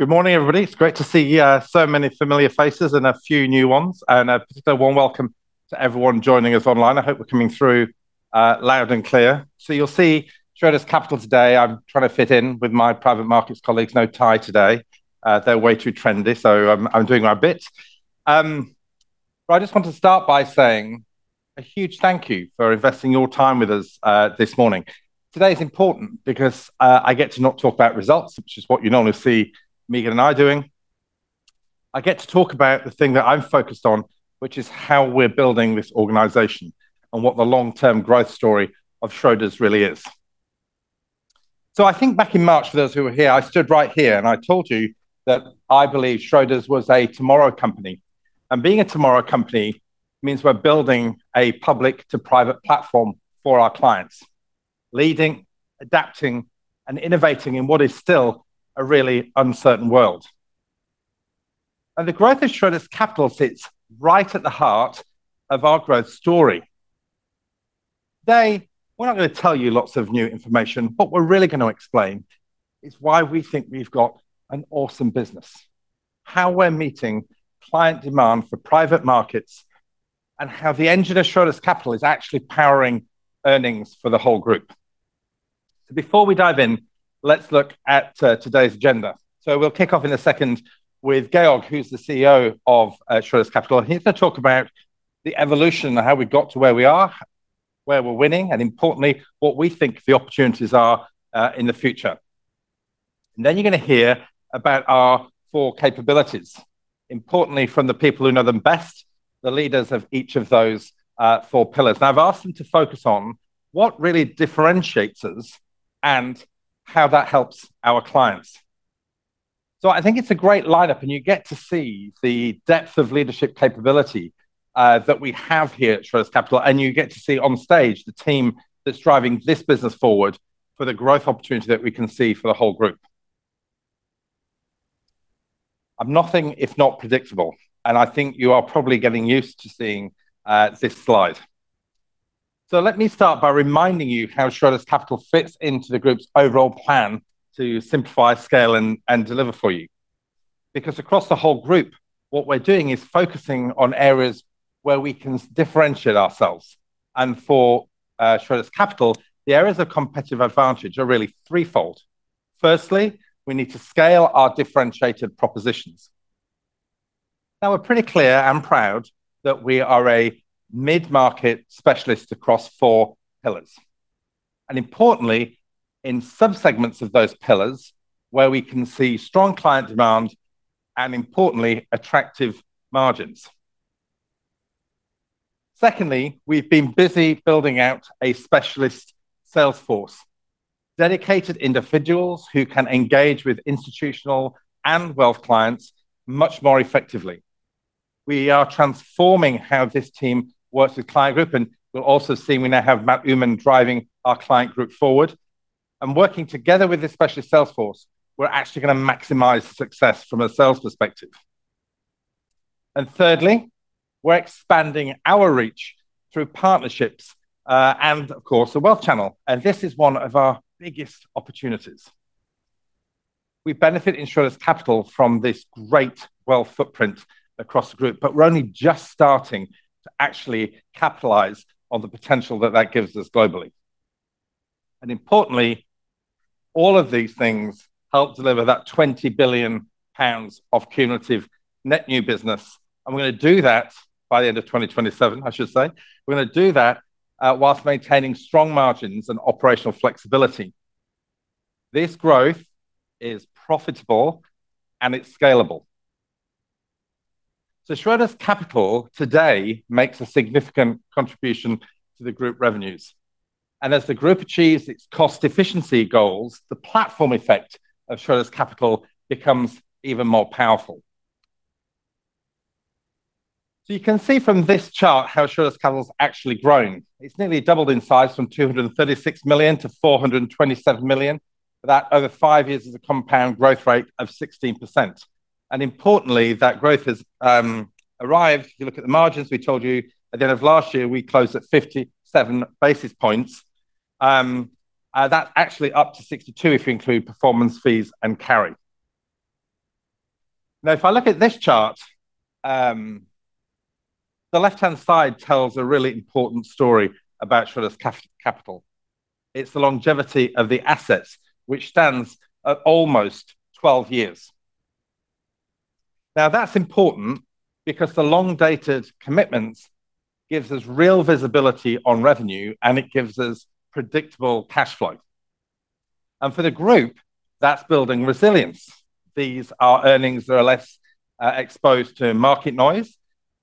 Good morning, everybody. It's great to see so many familiar faces and a few new ones. A particular warm welcome to everyone joining us online. I hope we're coming through loud and clear. You'll see Schroders Capital today. I'm trying to fit in with my private markets colleagues, no tie today. They're way too trendy, so I'm doing my bit. I just want to start by saying a huge thank you for investing your time with us this morning. Today is important because I get to not talk about results, which is what you normally see Meagen and I doing. I get to talk about the thing that I'm focused on, which is how we're building this organization and what the long-term growth story of Schroders really is. I think back in March, for those who were here, I stood right here and I told you that I believe Schroders was a tomorrow company. Being a tomorrow company means we're building a public-to-private platform for our clients, leading, adapting, and innovating in what is still a really uncertain world. The growth of Schroders Capital sits right at the heart of our growth story. Today, we're not going to tell you lots of new information. What we're really going to explain is why we think we've got an awesome business, how we're meeting client demand for private markets, and how the engine of Schroders Capital is actually powering earnings for the whole group. Before we dive in, let's look at today's agenda. We'll kick off in a second with Georg, who's the CEO of Schroders Capital. He's going to talk about the evolution and how we got to where we are, where we're winning, and importantly, what we think the opportunities are in the future. You are going to hear about our four capabilities, importantly from the people who know them best, the leaders of each of those four pillars. I have asked them to focus on what really differentiates us and how that helps our clients. I think it's a great lineup, and you get to see the depth of leadership capability that we have here at Schroders Capital. You get to see on stage the team that's driving this business forward for the growth opportunity that we can see for the whole group. I'm nothing if not predictable, and I think you are probably getting used to seeing this slide. Let me start by reminding you how Schroders Capital fits into the group's overall plan to simplify, scale, and deliver for you. Because across the whole group, what we're doing is focusing on areas where we can differentiate ourselves. For Schroders Capital, the areas of competitive advantage are really threefold. Firstly, we need to scale our differentiated propositions. Now, we're pretty clear and proud that we are a mid-market specialist across four pillars. Importantly, in subsegments of those pillars where we can see strong client demand and, importantly, attractive margins. Secondly, we've been busy building out a specialist sales force, dedicated individuals who can engage with institutional and wealth clients much more effectively. We are transforming how this team works with client group, and you'll also see we now have Matt Oomen driving our client group forward. Working together with this specialist sales force, we're actually going to maximize success from a sales perspective. Thirdly, we're expanding our reach through partnerships and, of course, the wealth channel. This is one of our biggest opportunities. We benefit in Schroders Capital from this great wealth footprint across the group, but we're only just starting to actually capitalize on the potential that that gives us globally. Importantly, all of these things help deliver that 20 billion pounds of cumulative net new business. We're going to do that by the end of 2027, I should say. We're going to do that whilst maintaining strong margins and operational flexibility. This growth is profitable and it's scalable. Schroders Capital today makes a significant contribution to the group revenues. As the group achieves its cost efficiency goals, the platform effect of Schroders Capital becomes even more powerful. You can see from this chart how Schroders Capital has actually grown. It's nearly doubled in size from 236 million-427 million. That over five years is a compound growth rate of 16%. Importantly, that growth has arrived. If you look at the margins, we told you at the end of last year, we closed at 57 basis points. That's actually up to 62 if you include performance fees and carry. If I look at this chart, the left-hand side tells a really important story about Schroders Capital. It's the longevity of the assets, which stands at almost 12 years. That's important because the long-dated commitments give us real visibility on revenue, and it gives us predictable cash flow. For the group, that's building resilience. These are earnings that are less exposed to market noise,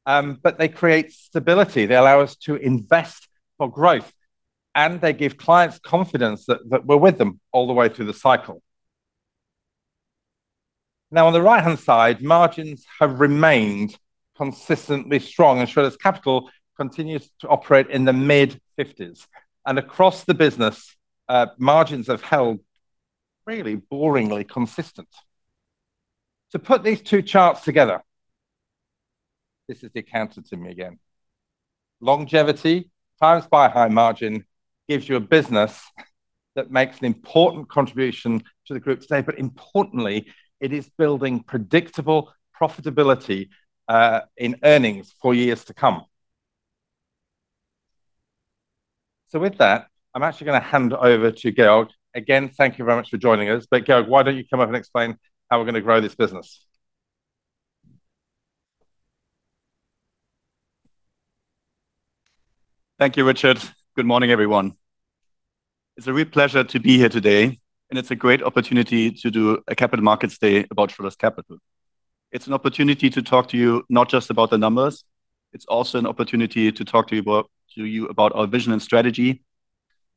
but they create stability. They allow us to invest for growth, and they give clients confidence that we're with them all the way through the cycle. Now, on the right-hand side, margins have remained consistently strong, and Schroders Capital continues to operate in the mid-50%. Across the business, margins have held really boringly consistent. To put these two charts together, this is the accountant in me again. Longevity times by high margin gives you a business that makes an important contribution to the group today. Importantly, it is building predictable profitability in earnings for years to come. With that, I'm actually going to hand over to Georg. Again, thank you very much for joining us. Georg, why don't you come up and explain how we're going to grow this business? Thank you, Richard. Good morning, everyone. It's a real pleasure to be here today, and it's a great opportunity to do a Capital Markets Day about Schroders Capital. It's an opportunity to talk to you not just about the numbers. It's also an opportunity to talk to you about our vision and strategy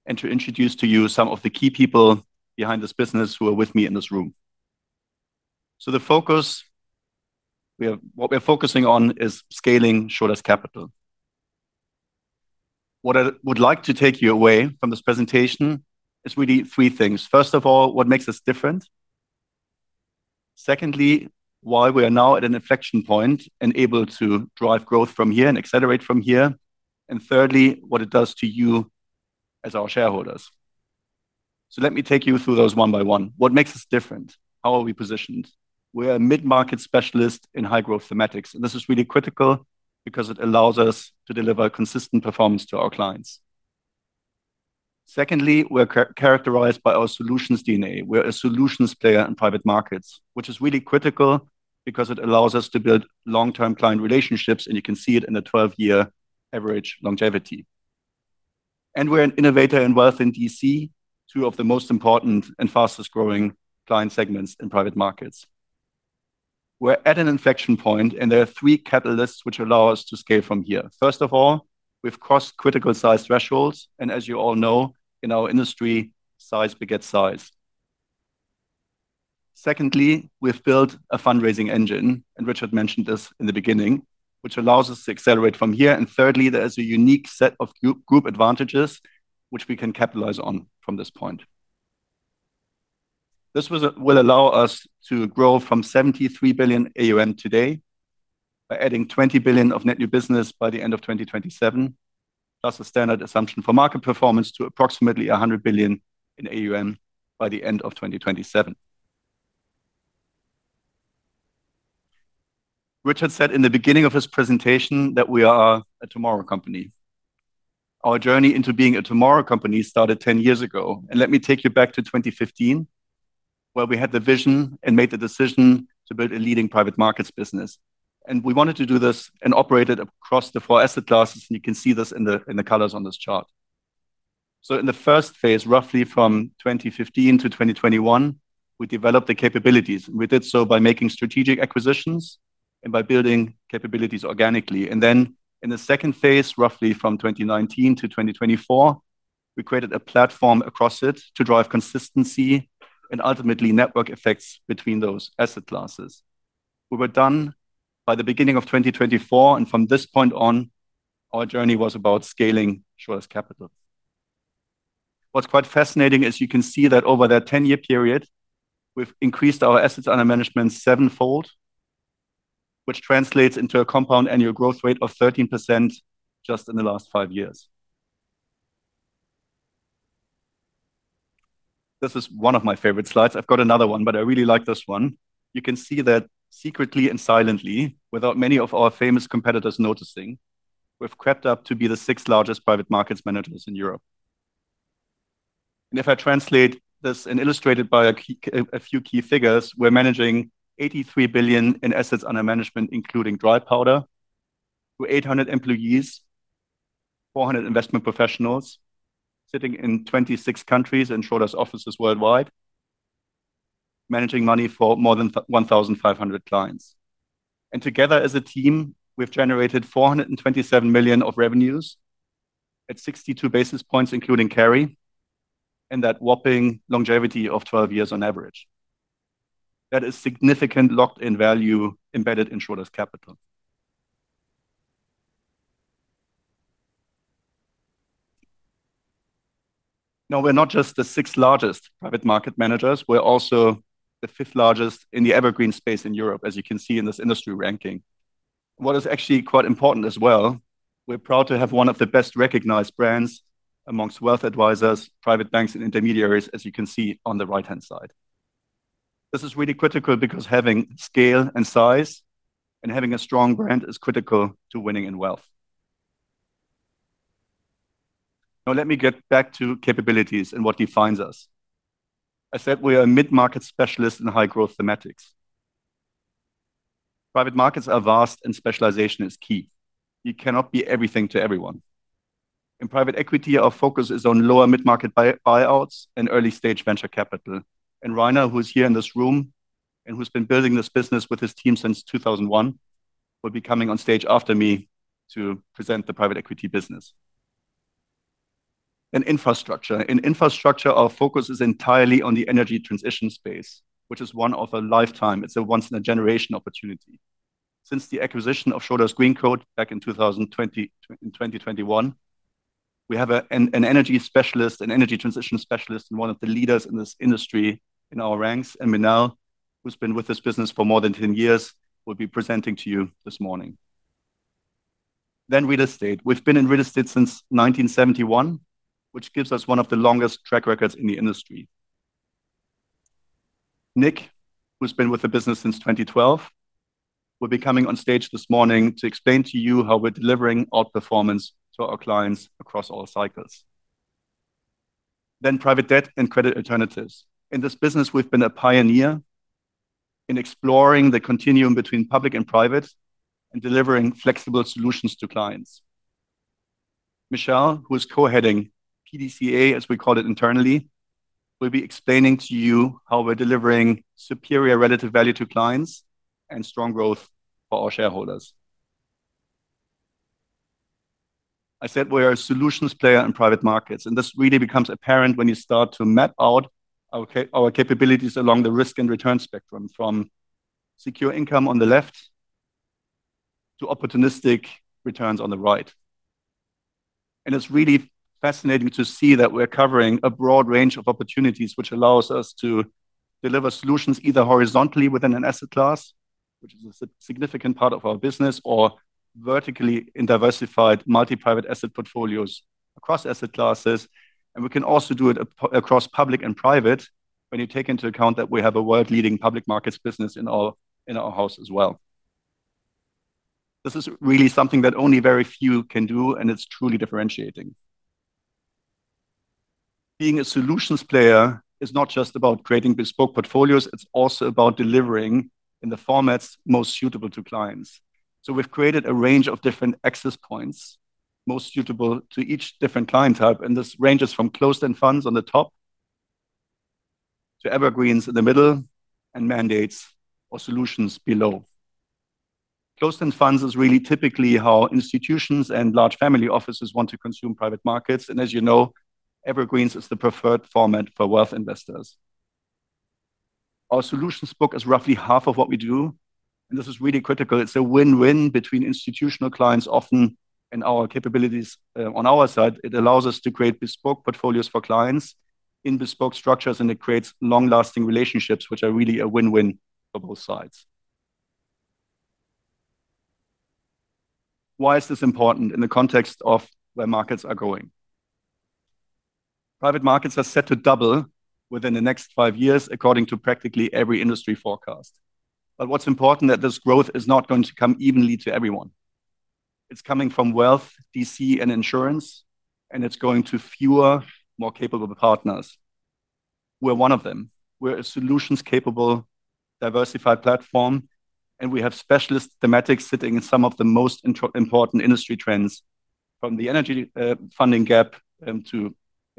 and to introduce to you some of the key people behind this business who are with me in this room. The focus we are focusing on is scaling Schroders Capital. What I would like to take you away from this presentation is really three things. First of all, what makes us different. Secondly, why we are now at an inflection point and able to drive growth from here and accelerate from here. Thirdly, what it does to you as our shareholders. Let me take you through those one by one. What makes us different? How are we positioned? We are a mid-market specialist in high-growth thematics. This is really critical because it allows us to deliver consistent performance to our clients. Secondly, we are characterized by our solutions DNA. We are a solutions player in private markets, which is really critical because it allows us to build long-term client relationships, and you can see it in the 12-year average longevity. We are an innovator in wealth in DC, two of the most important and fastest-growing client segments in private markets. We are at an inflection point, and there are three catalysts which allow us to scale from here. First of all, we have crossed critical size thresholds. As you all know, in our industry, size begets size. Secondly, we have built a fundraising engine, and Richard mentioned this in the beginning, which allows us to accelerate from here. Thirdly, there is a unique set of group advantages which we can capitalize on from this point. This will allow us to grow from 73 billion AUM today by adding 20 billion of net new business by the end of 2027, plus a standard assumption for market performance to approximately 100 billion in AUM by the end of 2027. Richard said in the beginning of his presentation that we are a tomorrow company. Our journey into being a tomorrow company started 10 years ago. Let me take you back to 2015, where we had the vision and made the decision to build a leading private markets business. We wanted to do this and operate it across the four asset classes. You can see this in the colors on this chart. In the first phase, roughly from 2015 to 2021, we developed the capabilities. We did so by making strategic acquisitions and by building capabilities organically. In the second phase, roughly from 2019 to 2024, we created a platform across it to drive consistency and ultimately network effects between those asset classes. We were done by the beginning of 2024. From this point on, our journey was about scaling Schroders Capital. What's quite fascinating is you can see that over that 10-year period, we've increased our assets under management seven-fold, which translates into a compound annual growth rate of 13% just in the last five years. This is one of my favorite slides. I've got another one, but I really like this one. You can see that secretly and silently, without many of our famous competitors noticing, we've crept up to be the sixth largest private markets managers in Europe. If I translate this and illustrate it by a few key figures, we're managing 83 billion in assets under management, including dry powder, with 800 employees, 400 investment professionals sitting in 26 countries and Schroders offices worldwide, managing money for more than 1,500 clients. Together, as a team, we've generated 427 million of revenues at 62 basis points, including carry, and that whopping longevity of 12 years on average. That is significant locked-in value embedded in Schroders Capital. We are not just the sixth largest private market managers. We are also the fifth largest in the evergreen space in Europe, as you can see in this industry ranking. What is actually quite important as well, we're proud to have one of the best-recognized brands amongst wealth advisors, private banks, and intermediaries, as you can see on the right-hand side. This is really critical because having scale and size and having a strong brand is critical to winning in wealth. Now, let me get back to capabilities and what defines us. I said we are a mid-market specialist in high-growth thematics. Private markets are vast, and specialization is key. You cannot be everything to everyone. In private equity, our focus is on lower mid-market buyouts and early-stage venture capital. Rainer, who is here in this room and who's been building this business with his team since 2001, will be coming on stage after me to present the private equity business. In infrastructure, our focus is entirely on the energy transition space, which is one of a lifetime. It's a once-in-a-generation opportunity. Since the acquisition of Schroders Greencoat back in 2020 and 2021, we have an energy specialist, an energy transition specialist, and one of the leaders in this industry in our ranks. Minal, who's been with this business for more than 10 years, will be presenting to you this morning. Real estate. We've been in real estate since 1971, which gives us one of the longest track records in the industry. Nick, who's been with the business since 2012, will be coming on stage this morning to explain to you how we're delivering our performance to our clients across all cycles. Private debt and credit alternatives. In this business, we've been a pioneer in exploring the continuum between public and private and delivering flexible solutions to clients. Michelle, who is co-heading PDCA, as we call it internally, will be explaining to you how we're delivering superior relative value to clients and strong growth for our shareholders. I said we are a solutions player in private markets. This really becomes apparent when you start to map out our capabilities along the risk and return spectrum from secure income on the left to opportunistic returns on the right. It is really fascinating to see that we're covering a broad range of opportunities, which allows us to deliver solutions either horizontally within an asset class, which is a significant part of our business, or vertically in diversified multi-private asset portfolios across asset classes. We can also do it across public and private when you take into account that we have a world-leading public markets business in our house as well. This is really something that only very few can do, and it's truly differentiating. Being a solutions player is not just about creating bespoke portfolios. It's also about delivering in the formats most suitable to clients. We have created a range of different access points most suitable to each different client type. This ranges from closed-end funds on the top to evergreens in the middle and mandates or solutions below. Closed-end funds is really typically how institutions and large family offices want to consume private markets. As you know, evergreens is the preferred format for wealth investors. Our solutions book is roughly half of what we do. This is really critical. It's a win-win between institutional clients often and our capabilities on our side. It allows us to create bespoke portfolios for clients in bespoke structures, and it creates long-lasting relationships, which are really a win-win for both sides. Why is this important in the context of where markets are going? Private markets are set to double within the next five years, according to practically every industry forecast. What is important is that this growth is not going to come evenly to everyone. It is coming from wealth, DC, and insurance, and it is going to fewer, more capable partners. We are one of them. We are a solutions-capable diversified platform, and we have specialist thematics sitting in some of the most important industry trends, from the energy funding gap to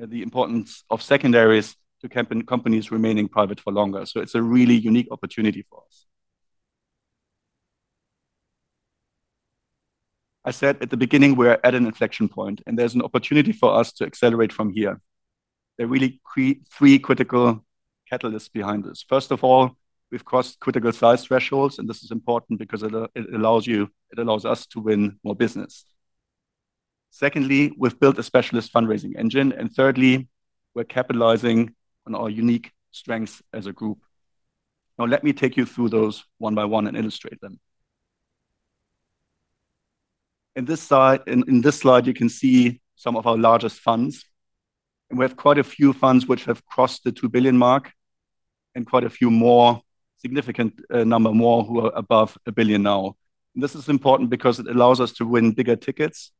the importance of secondaries to companies remaining private for longer. It is a really unique opportunity for us. I said at the beginning we are at an inflection point, and there's an opportunity for us to accelerate from here. There are really three critical catalysts behind this. First of all, we've crossed critical size thresholds, and this is important because it allows us to win more business. Secondly, we've built a specialist fundraising engine. Thirdly, we're capitalizing on our unique strengths as a group. Now, let me take you through those one by one and illustrate them. In this slide, you can see some of our largest funds. We have quite a few funds which have crossed the 2 billion mark and quite a few more, significant number more, who are above 1 billion now. This is important because it allows us to win bigger tickets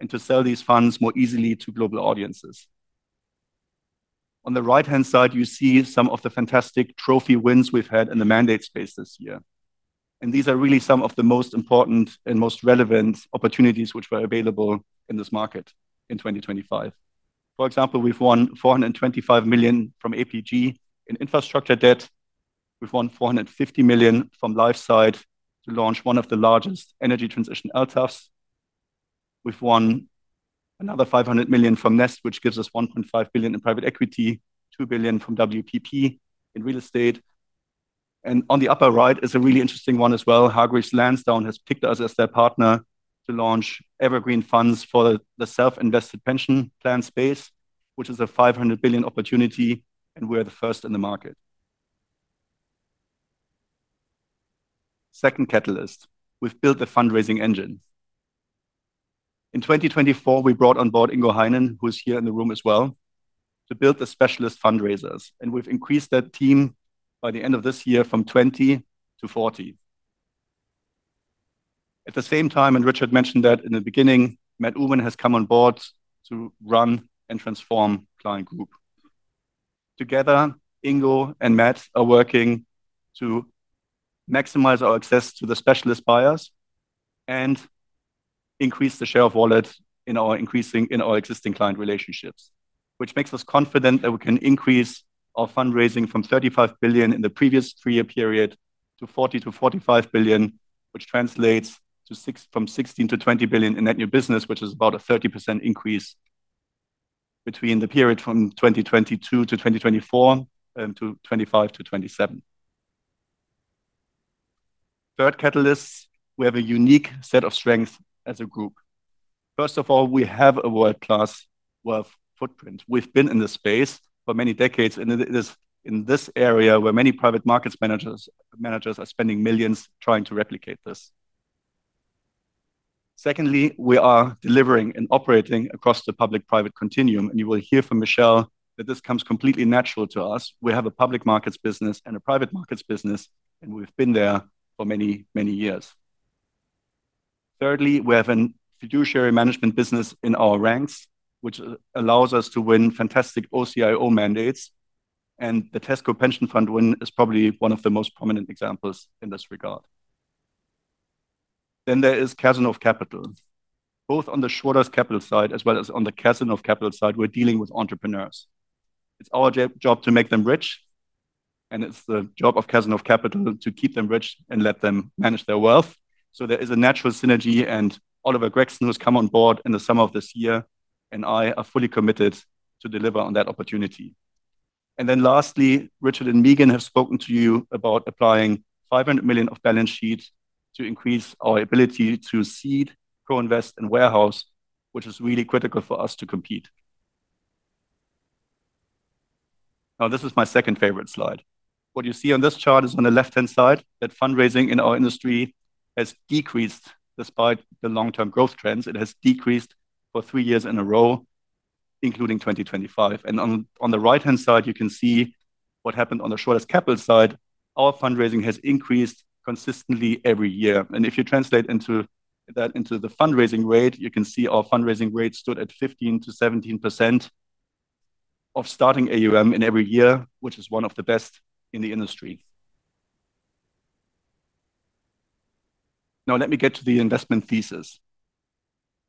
and to sell these funds more easily to global audiences. On the right-hand side, you see some of the fantastic trophy wins we've had in the mandate space this year. These are really some of the most important and most relevant opportunities which were available in this market in 2025. For example, we've won 425 million from APG in infrastructure debt. We've won 450 million from LifeSight to launch one of the largest energy transition LTAFs. We've won another 500 million from Nest, which gives us 1.5 billion in private equity, 2 billion from WPP in real estate. On the upper right is a really interesting one as well. Hargreaves Lansdown has picked us as their partner to launch evergreen funds for the self-invested pension plan space, which is a 500 billion opportunity, and we are the first in the market. Second catalyst, we've built a fundraising engine. In 2024, we brought on board Ingo Heinen, who is here in the room as well, to build the specialist fundraisers. We have increased that team by the end of this year from 20-40. At the same time, Richard mentioned that in the beginning, Matt Oomen has come on board to run and transform Client Group. Together, Ingo and Matt are working to maximize our access to the specialist buyers and increase the share of wallet in our existing client relationships, which makes us confident that we can increase our fundraising from 35 billion in the previous three-year period to 40 billion-45 billion, which translates from 16 billion-20 billion in net new business, which is about a 30% increase between the period from 2022 to 2024-2025 to 2027. Third catalyst, we have a unique set of strengths as a group. First of all, we have a world-class wealth footprint. We've been in this space for many decades, and it is in this area where many private markets managers are spending millions trying to replicate this. Secondly, we are delivering and operating across the public-private continuum. You will hear from Michelle that this comes completely natural to us. We have a public markets business and a private markets business, and we've been there for many, many years. Thirdly, we have a fiduciary management business in our ranks, which allows us to win fantastic OCIO mandates. The Tesco Pension Fund win is probably one of the most prominent examples in this regard. There is Cazenove Capital. Both on the Schroders Capital side as well as on the Cazenove Capital side, we're dealing with entrepreneurs. It's our job to make them rich, and it's the job of Cazenove Capital to keep them rich and let them manage their wealth. There is a natural synergy, and Oliver Gregson has come on board in the summer of this year, and I are fully committed to deliver on that opportunity. Lastly, Richard and Meagen have spoken to you about applying 500 million of balance sheet to increase our ability to seed, co-invest, and warehouse, which is really critical for us to compete. This is my second favorite slide. What you see on this chart is on the left-hand side that fundraising in our industry has decreased despite the long-term growth trends. It has decreased for three years in a row, including 2025. On the right-hand side, you can see what happened on the Schroders Capital side. Our fundraising has increased consistently every year. If you translate that into the fundraising rate, you can see our fundraising rate stood at 15%-17% of starting AUM in every year, which is one of the best in the industry. Now, let me get to the investment thesis.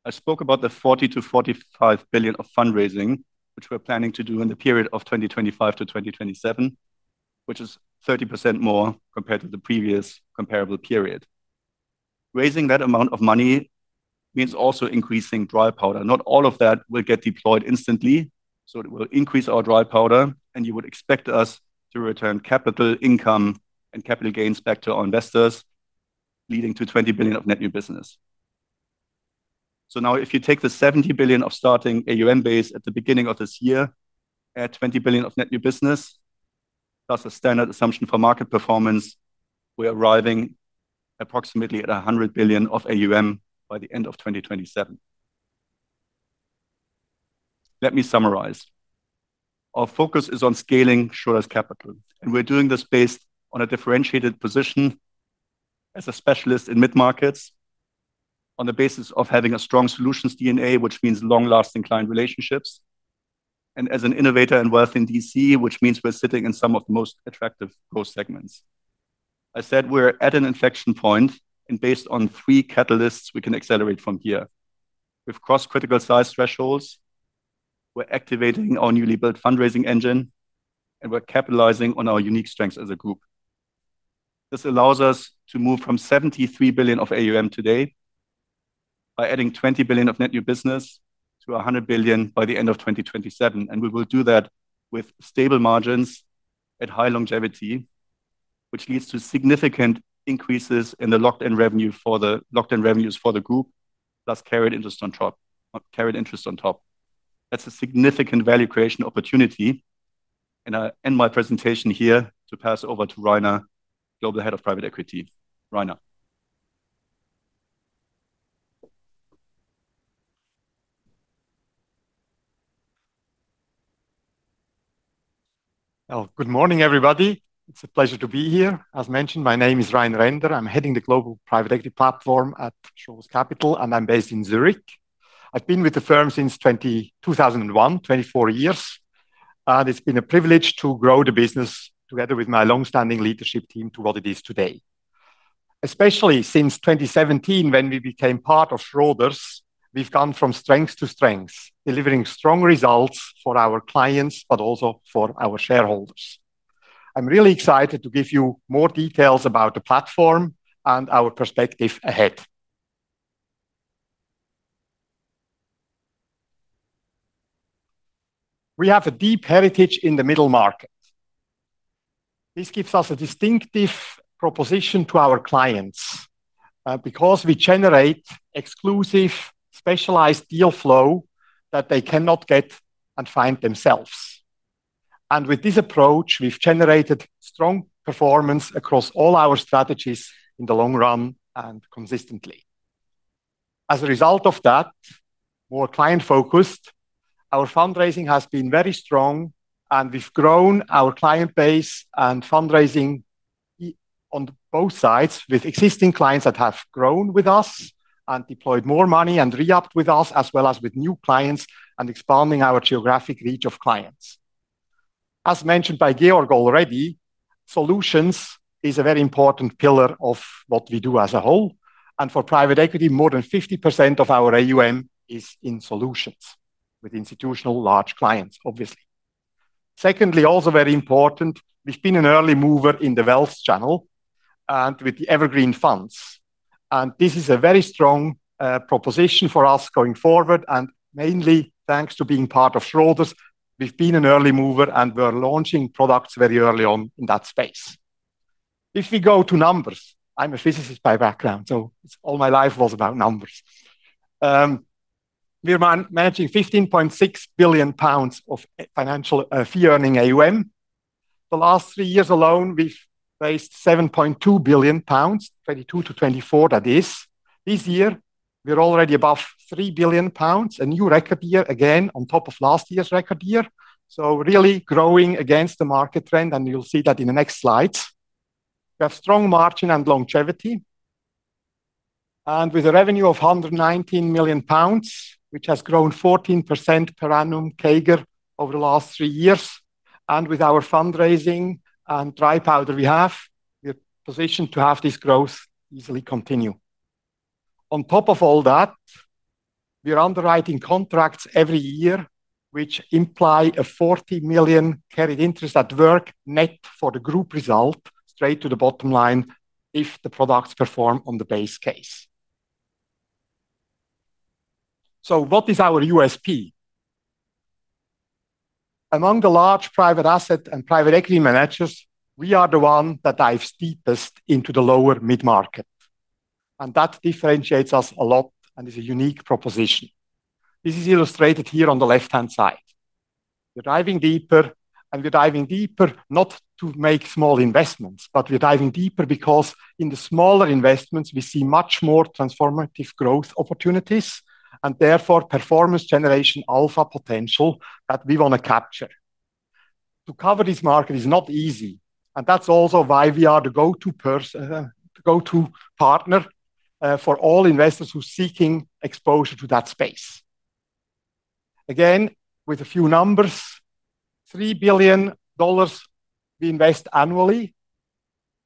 I spoke about the 40 billion-45 billion of fundraising, which we are planning to do in the period of 2025 to 2027, which is 30% more compared to the previous comparable period. Raising that amount of money means also increasing dry powder. Not all of that will get deployed instantly, so it will increase our dry powder, and you would expect us to return capital income and capital gains back to our investors, leading to 20 billion of net new business. Now, if you take the 70 billion of starting AUM base at the beginning of this year, add 20 billion of net new business, plus a standard assumption for market performance, we're arriving approximately at 100 billion of AUM by the end of 2027. Let me summarize. Our focus is on scaling Schroders Capital, and we're doing this based on a differentiated position as a specialist in mid-markets, on the basis of having a strong solutions DNA, which means long-lasting client relationships, and as an innovator and wealth in DC, which means we're sitting in some of the most attractive growth segments. I said we're at an inflection point, and based on three catalysts, we can accelerate from here. We've crossed critical size thresholds. We're activating our newly built fundraising engine, and we're capitalizing on our unique strengths as a group. This allows us to move from 73 billion of AUM today by adding 20 billion of net new business to 100 billion by the end of 2027. We will do that with stable margins at high longevity, which leads to significant increases in the locked-in revenues for the group, plus carried interest on top. That is a significant value creation opportunity. I end my presentation here to pass over to Rainer, Global Head of Private Equity. Rainer? Good morning, everybody. It is a pleasure to be here. As mentioned, my name is Rainer Ender. I am heading the Global Private Equity Platform at Schroders Capital, and I am based in Zurich. I have been with the firm since 2001, 24 years. It has been a privilege to grow the business together with my long-standing leadership team to what it is today. Especially since 2017, when we became part of Schroders, we've gone from strength to strength, delivering strong results for our clients, but also for our shareholders. I'm really excited to give you more details about the platform and our perspective ahead. We have a deep heritage in the middle market. This gives us a distinctive proposition to our clients because we generate exclusive, specialized deal flow that they cannot get and find themselves. With this approach, we've generated strong performance across all our strategies in the long run and consistently. As a result of that, more client-focused, our fundraising has been very strong, and we've grown our client base and fundraising on both sides with existing clients that have grown with us and deployed more money and re-upped with us, as well as with new clients and expanding our geographic reach of clients. As mentioned by Georg already, solutions is a very important pillar of what we do as a whole. For private equity, more than 50% of our AUM is in solutions with institutional large clients, obviously. Secondly, also very important, we've been an early mover in the wealth channel and with the evergreen funds. This is a very strong proposition for us going forward. Mainly thanks to being part of Schroders, we've been an early mover and we're launching products very early on in that space. If we go to numbers, I'm a physicist by background, so all my life was about numbers. We're managing 15.6 billion pounds of financial fee-earning AUM. The last three years alone, we've raised 7.2 billion pounds, 2022 to 2024, that is. This year, we're already above 3 billion pounds, a new record year again on top of last year's record year. Really growing against the market trend, and you'll see that in the next slides. We have strong margin and longevity. With a revenue of 119 million pounds, which has grown 14% per annum CAGR over the last three years. With our fundraising and dry powder we have, we're positioned to have this growth easily continue. On top of all that, we're underwriting contracts every year, which imply a 40 million carried interest at work net for the group result straight to the bottom line if the products perform on the base case. What is our USP? Among the large private asset and private equity managers, we are the one that dives deepest into the lower mid-market. That differentiates us a lot and is a unique proposition. This is illustrated here on the left-hand side. We're diving deeper, and we're diving deeper not to make small investments, but we're diving deeper because in the smaller investments, we see much more transformative growth opportunities and therefore performance generation alpha potential that we want to capture. To cover this market is not easy, and that's also why we are the go-to partner for all investors who are seeking exposure to that space. Again, with a few numbers, GBP3 billion we invest annually,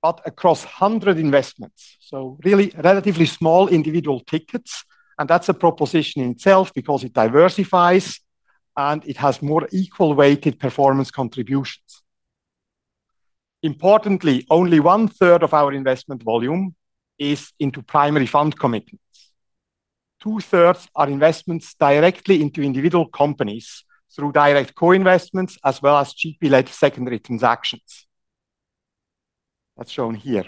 but across 100 investments. Really relatively small individual tickets, and that's a proposition in itself because it diversifies and it has more equal-weighted performance contributions. Importantly, only 1/3 of our investment volume is into primary fund commitments. 2/3 are investments directly into individual companies through direct co-investments as well as GP-led secondary transactions. That's shown here.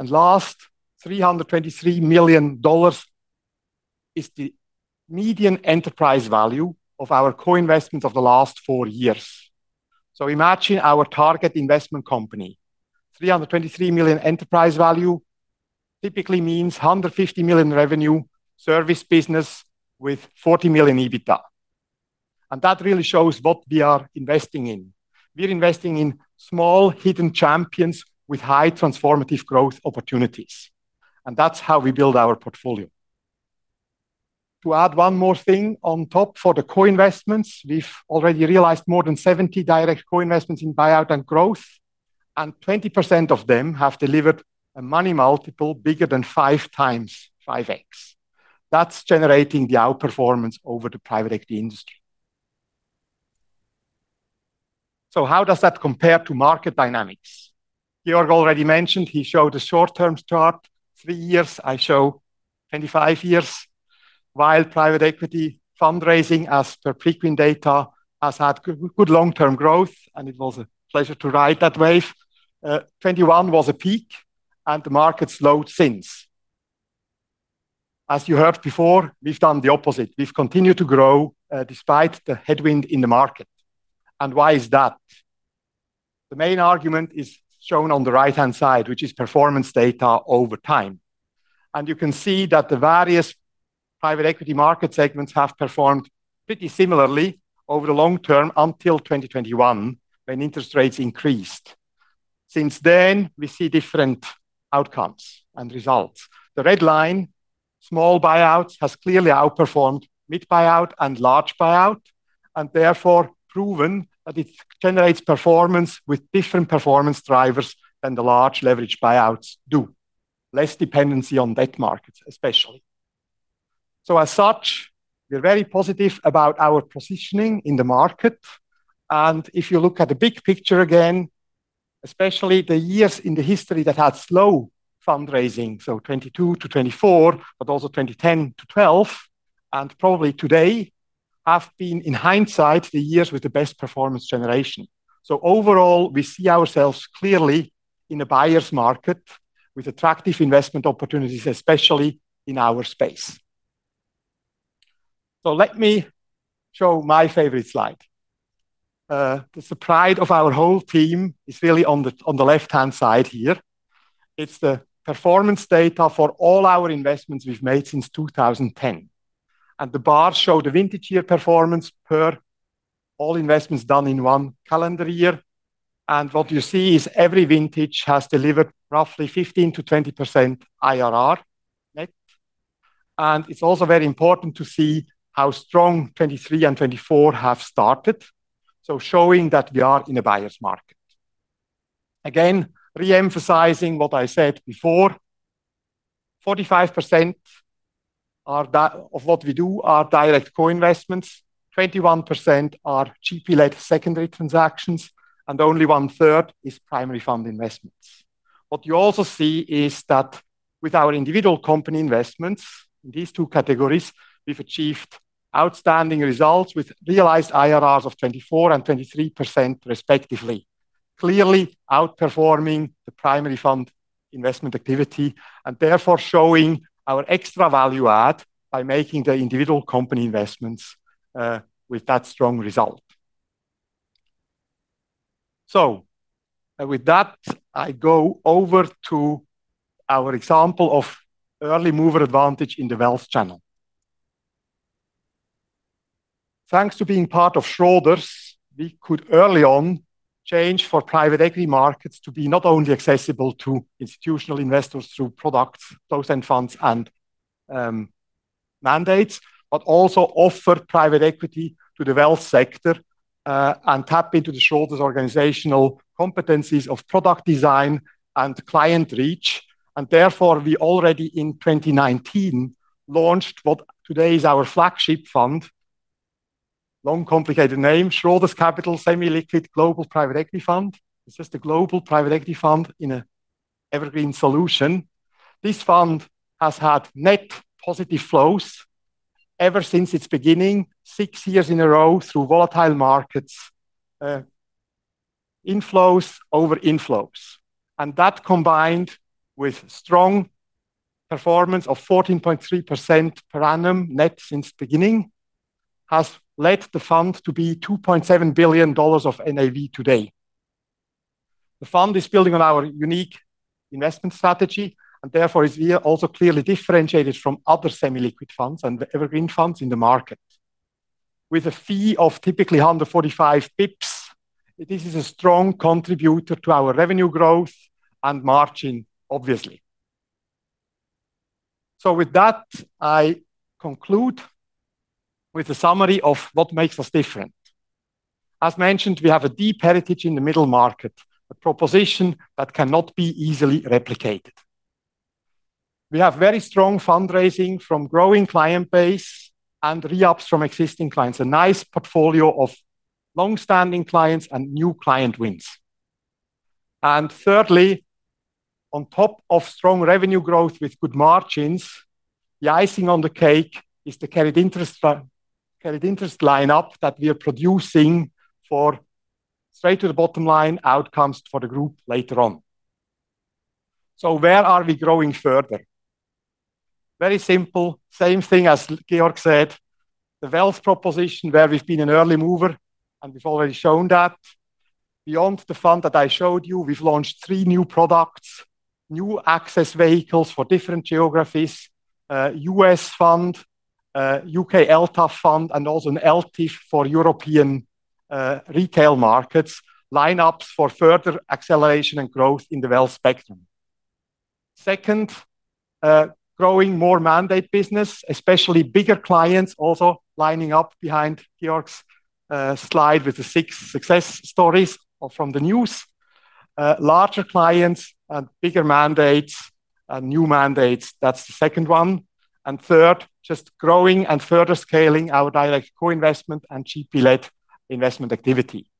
Last, $323 million is the median enterprise value of our co-investments of the last four years. Imagine our target investment company. $323 million enterprise value typically means $150 million revenue service business with 40 million EBITDA. That really shows what we are investing in. We are investing in small hidden champions with high transformative growth opportunities. That is how we build our portfolio. To add one more thing on top for the co-investments, we have already realized more than 70 direct co-investments in buyout and growth, and 20% of them have delivered a money multiple bigger than five times, 5x. That is generating the outperformance over the private equity industry. How does that compare to market dynamics? Georg already mentioned he showed a short-term chart. Three years, I show 25 years, while private equity fundraising, as per Preqin data, has had good long-term growth, and it was a pleasure to ride that wave. 2021 was a peak, and the market slowed since. As you heard before, we've done the opposite. We've continued to grow despite the headwind in the market. Why is that? The main argument is shown on the right-hand side, which is performance data over time. You can see that the various private equity market segments have performed pretty similarly over the long term until 2021, when interest rates increased. Since then, we see different outcomes and results. The red line, small buyouts, has clearly outperformed mid-buyout and large buyout, and therefore proven that it generates performance with different performance drivers than the large leverage buyouts do. Less dependency on debt markets, especially. As such, we're very positive about our positioning in the market. If you look at the big picture again, especially the years in the history that had slow fundraising, 2022 to 2024, but also 2010 to 2012, and probably today, have been in hindsight the years with the best performance generation. Overall, we see ourselves clearly in a buyer's market with attractive investment opportunities, especially in our space. Let me show my favorite slide. The pride of our whole team is really on the left-hand side here. It is the performance data for all our investments we have made since 2010. The bars show the vintage year performance per all investments done in one calendar year. What you see is every vintage has delivered roughly 15%-20% IRR net. It is also very important to see how strong 2023 and 2024 have started, showing that we are in a buyer's market. Again, re-emphasizing what I said before, 45% of what we do are direct co-investments, 21% are GP-led secondary transactions, and only 1/3 is primary fund investments. What you also see is that with our individual company investments in these two categories, we've achieved outstanding results with realized IRRs of 24% and 23% respectively, clearly outperforming the primary fund investment activity and therefore showing our extra value add by making the individual company investments with that strong result. With that, I go over to our example of early mover advantage in the wealth channel. Thanks to being part of Schroders, we could early on change for private equity markets to be not only accessible to institutional investors through products, closed-end funds, and mandates, but also offer private equity to the wealth sector and tap into the Schroders organizational competencies of product design and client reach. Therefore, we already in 2019 launched what today is our flagship fund, long complicated name, Schroders Capital Semi-Liquid Global Private Equity Fund. It's just a global private equity fund in an evergreen solution. This fund has had net positive flows ever since its beginning, six years in a row through volatile markets, inflows over inflows. That combined with strong performance of 14.3% per annum net since the beginning has led the fund to be $2.7 billion of NAV today. The fund is building on our unique investment strategy and therefore is also clearly differentiated from other semi-liquid funds and the evergreen funds in the market. With a fee of typically 145 basis points, this is a strong contributor to our revenue growth and margin, obviously. I conclude with a summary of what makes us different. As mentioned, we have a deep heritage in the middle market, a proposition that cannot be easily replicated. We have very strong fundraising from growing client base and re-ups from existing clients, a nice portfolio of long-standing clients and new client wins. Thirdly, on top of strong revenue growth with good margins, the icing on the cake is the carried interest lineup that we are producing for straight to the bottom line outcomes for the group later on. Where are we growing further? Very simple, same thing as Georg said, the wealth proposition where we've been an early mover and we've already shown that. Beyond the fund that I showed you, we've launched three new products, new access vehicles for different geographies, U.S. fund, U.K. LTAF fund, and also an ELTIF for European retail markets, lineups for further acceleration and growth in the wealth spectrum. Second, growing more mandate business, especially bigger clients also lining up behind Georg's slide with the six success stories from the news. Larger clients and bigger mandates and new mandates, that's the second one. Third, just growing and further scaling our direct co-investment and GP-led investment activity.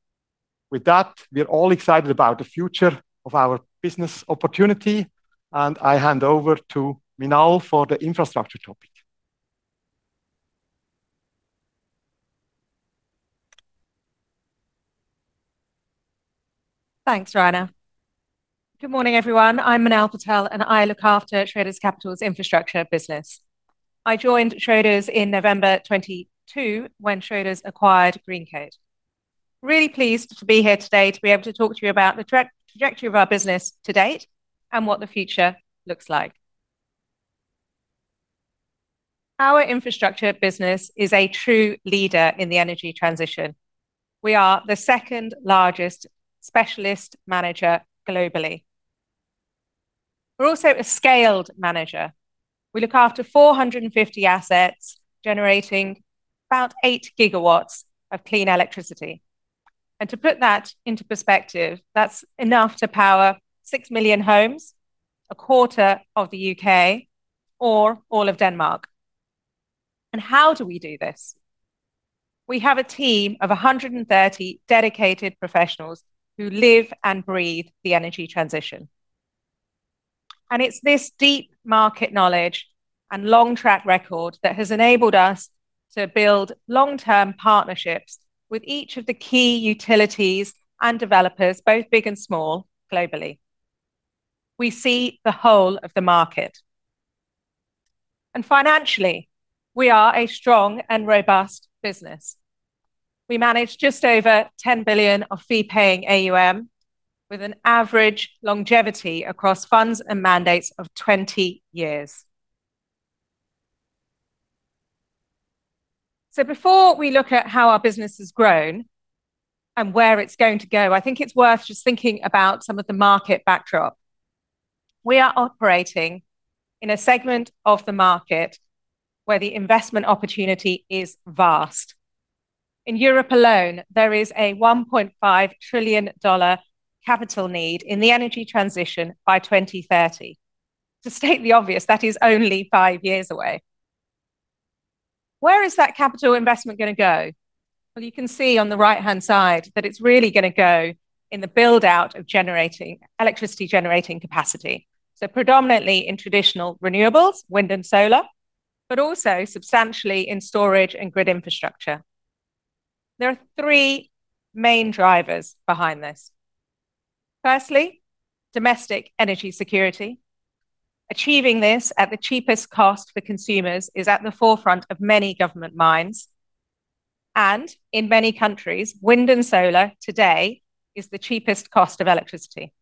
With that, we're all excited about the future of our business opportunity, and I hand over to Minal for the infrastructure topic. Thanks, Rainer. Good morning, everyone. I'm Minal Patel, and I look after Schroders Capital's infrastructure business. I joined Schroders in November 2022 when Schroders acquired Greencoat. Really pleased to be here today to be able to talk to you about the trajectory of our business to date and what the future looks like. Our infrastructure business is a true leader in the energy transition. We are the second largest specialist manager globally. We're also a scaled manager. We look after 450 assets generating about 8 GW of clean electricity. To put that into perspective, that's enough to power 6 million homes, a quarter of the U.K., or all of Denmark. How do we do this? We have a team of 130 dedicated professionals who live and breathe the energy transition. It's this deep market knowledge and long track record that has enabled us to build long-term partnerships with each of the key utilities and developers, both big and small, globally. We see the whole of the market. Financially, we are a strong and robust business. We manage just over 10 billion of fee-paying AUM with an average longevity across funds and mandates of 20 years. Before we look at how our business has grown and where it's going to go, I think it's worth just thinking about some of the market backdrop. We are operating in a segment of the market where the investment opportunity is vast. In Europe alone, there is a $1.5 trillion capital need in the energy transition by 2030. To state the obvious, that is only five years away. Where is that capital investment going to go? You can see on the right-hand side that it's really going to go in the build-out of electricity generating capacity. Predominantly in traditional renewables, wind and solar, but also substantially in storage and grid infrastructure. There are three main drivers behind this. Firstly, domestic energy security. Achieving this at the cheapest cost for consumers is at the forefront of many government minds. In many countries, wind and solar today is the cheapest cost of electricity.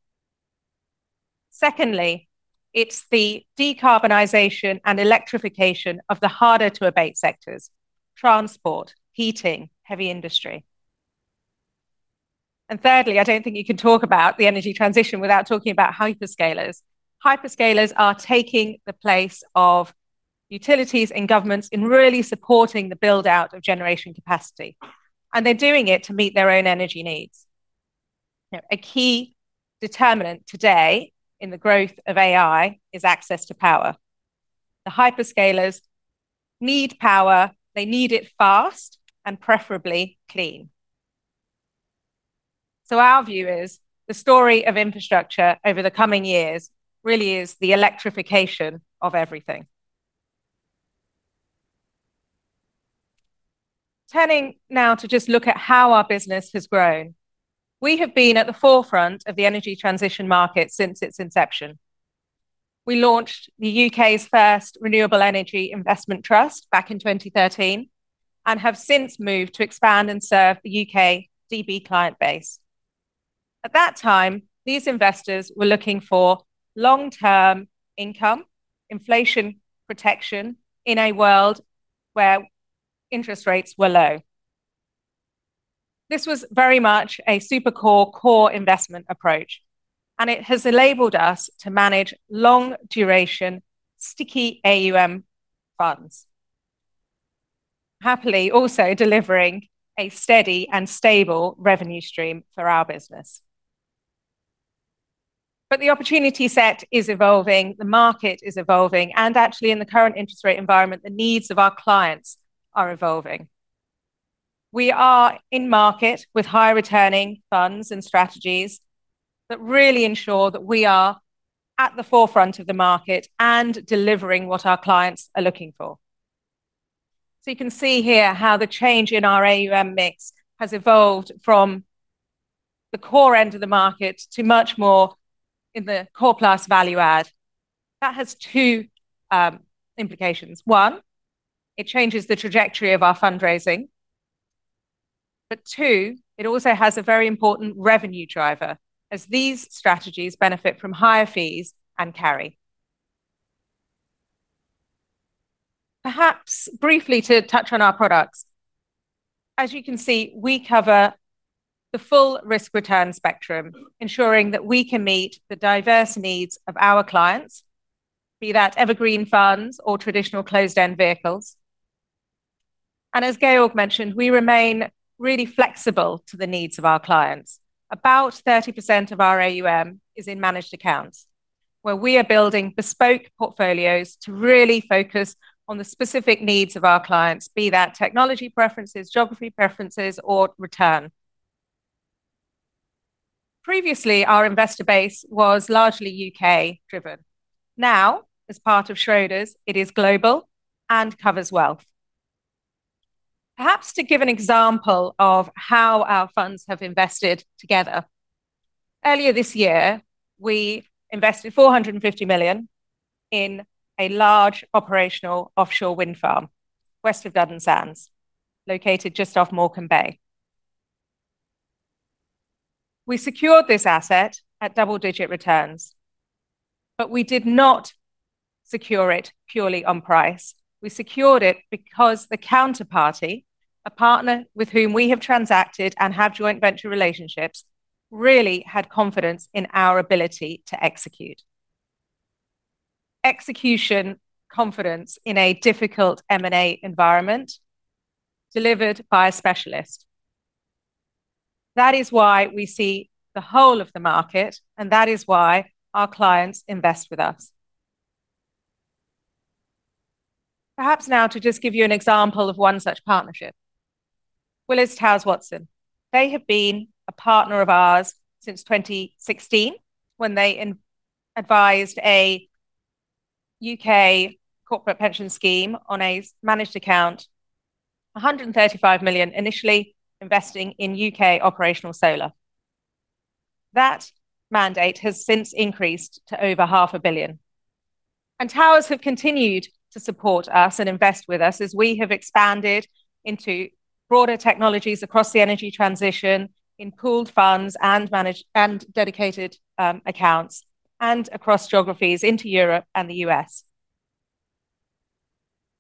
Secondly, it's the decarbonization and electrification of the harder-to-abate sectors: transport, heating, heavy industry. Thirdly, I do not think you can talk about the energy transition without talking about hyperscalers. Hyperscalers are taking the place of utilities and governments in really supporting the build-out of generation capacity. They are doing it to meet their own energy needs. A key determinant today in the growth of AI is access to power. The hyperscalers need power. They need it fast and preferably clean. Our view is the story of infrastructure over the coming years really is the electrification of everything. Turning now to just look at how our business has grown. We have been at the forefront of the energy transition market since its inception. We launched the U.K.'s first renewable energy investment trust back in 2013 and have since moved to expand and serve the U.K. DB client base. At that time, these investors were looking for long-term income, inflation protection in a world where interest rates were low. This was very much a super core core investment approach, and it has enabled us to manage long-duration, sticky AUM funds, happily also delivering a steady and stable revenue stream for our business. The opportunity set is evolving. The market is evolving. Actually, in the current interest rate environment, the needs of our clients are evolving. We are in market with high-returning funds and strategies that really ensure that we are at the forefront of the market and delivering what our clients are looking for. You can see here how the change in our AUM mix has evolved from the core end of the market to much more in the core plus value add. That has two implications. One, it changes the trajectory of our fundraising. It also has a very important revenue driver as these strategies benefit from higher fees and carry. Perhaps briefly to touch on our products. As you can see, we cover the full risk-return spectrum, ensuring that we can meet the diverse needs of our clients, be that evergreen funds or traditional closed-end vehicles. As Georg mentioned, we remain really flexible to the needs of our clients. About 30% of our AUM is in managed accounts, where we are building bespoke portfolios to really focus on the specific needs of our clients, be that technology preferences, geography preferences, or return. Previously, our investor base was largely U.K.-driven. Now, as part of Schroders, it is global and covers wealth. Perhaps to give an example of how our funds have invested together, earlier this year, we invested 450 million in a large operational offshore wind farm, Westford Duddon Sands, located just off Morecambe Bay. We secured this asset at double-digit returns, but we did not secure it purely on price. We secured it because the counterparty, a partner with whom we have transacted and have joint venture relationships, really had confidence in our ability to execute. Execution confidence in a difficult M&A environment delivered by a specialist. That is why we see the whole of the market, and that is why our clients invest with us. Perhaps now to just give you an example of one such partnership, Willis Towers Watson. They have been a partner of ours since 2016 when they advised a U.K. corporate pension scheme on a managed account, 135 million initially investing in U.K. operational solar. That mandate has since increased to over 500,000,000. Towers have continued to support us and invest with us as we have expanded into broader technologies across the energy transition, in pooled funds and dedicated accounts, and across geographies into Europe and the U.S.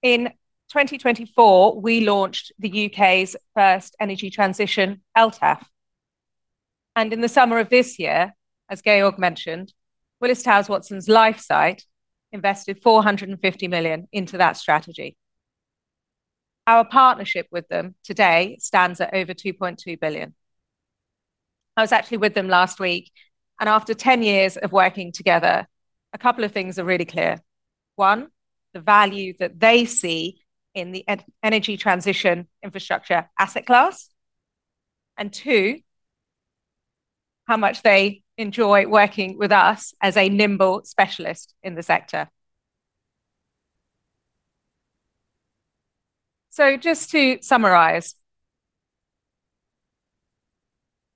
In 2024, we launched the U.K.'s first energy transition LTAF. In the summer of this year, as Georg mentioned, Willis Towers Watson's LifeSight invested 450,000,000 into that strategy. Our partnership with them today stands at over 2.2 billion. I was actually with them last week, and after 10 years of working together, a couple of things are really clear. One, the value that they see in the energy transition infrastructure asset class. Two, how much they enjoy working with us as a nimble specialist in the sector. Just to summarize,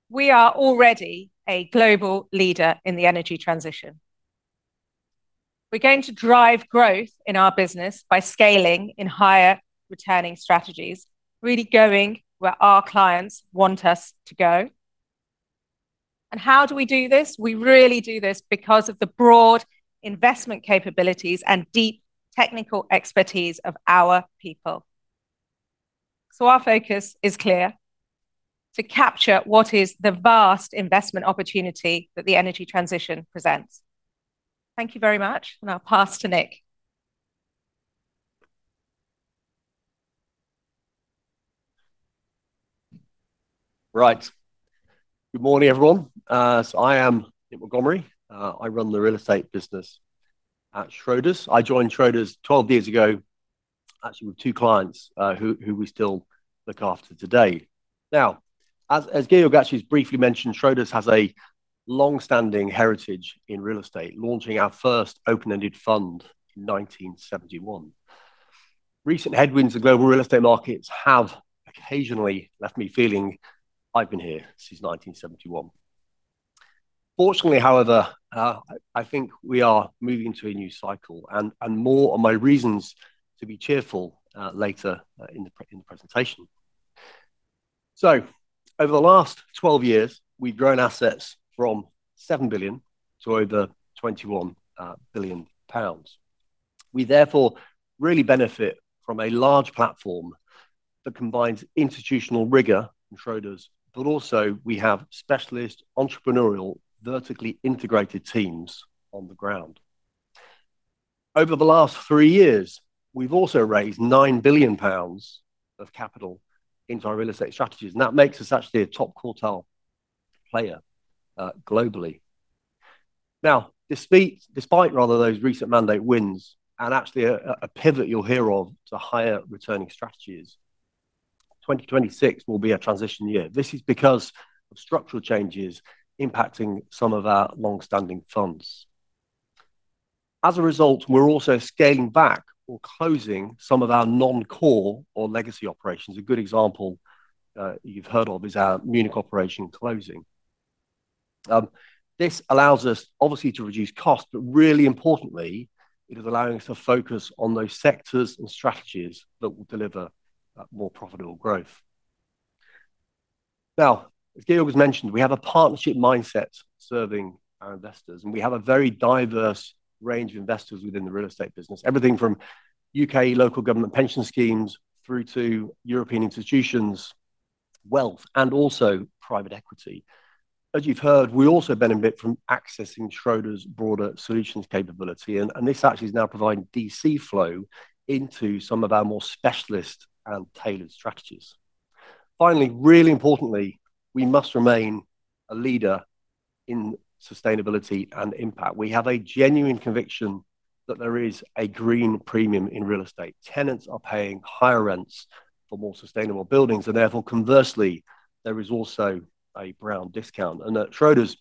we are already a global leader in the energy transition. We're going to drive growth in our business by scaling in higher returning strategies, really going where our clients want us to go. How do we do this? We really do this because of the broad investment capabilities and deep technical expertise of our people. Our focus is clear to capture what is the vast investment opportunity that the energy transition presents. Thank you very much, and I'll pass to Nick. Right. Good morning, everyone. I am Nick Montgomery. I run the real estate business at Schroders. I joined Schroders 12 years ago, actually with two clients who we still look after today. Now, as Georg actually briefly mentioned, Schroders has a long-standing heritage in real estate, launching our first open-ended fund in 1971. Recent headwinds in global real estate markets have occasionally left me feeling I've been here since 1971. Fortunately, however, I think we are moving to a new cycle, and more on my reasons to be cheerful later in the presentation. Over the last 12 years, we've grown assets from 7 billion to over 21 billion pounds. We therefore really benefit from a large platform that combines institutional rigor in Schroders, but also we have specialist entrepreneurial vertically integrated teams on the ground. Over the last three years, we've also raised 9 billion pounds of capital into our real estate strategies, and that makes us actually a top quartile player globally. Now, despite those recent mandate wins and actually a pivot you'll hear of to higher returning strategies, 2026 will be a transition year. This is because of structural changes impacting some of our long-standing funds. As a result, we're also scaling back or closing some of our non-core or legacy operations. A good example you've heard of is our Munich operation closing. This allows us obviously to reduce costs, but really importantly, it is allowing us to focus on those sectors and strategies that will deliver more profitable growth. Now, as Georg has mentioned, we have a partnership mindset serving our investors, and we have a very diverse range of investors within the real estate business, everything from U.K. local government pension schemes through to European institutions, wealth, and also private equity. As you've heard, we also benefit from accessing Schroders' broader solutions capability, and this actually is now providing DC flow into some of our more specialist and tailored strategies. Finally, really importantly, we must remain a leader in sustainability and impact. We have a genuine conviction that there is a green premium in real estate. Tenants are paying higher rents for more sustainable buildings, and therefore, conversely, there is also a brown discount. At Schroders,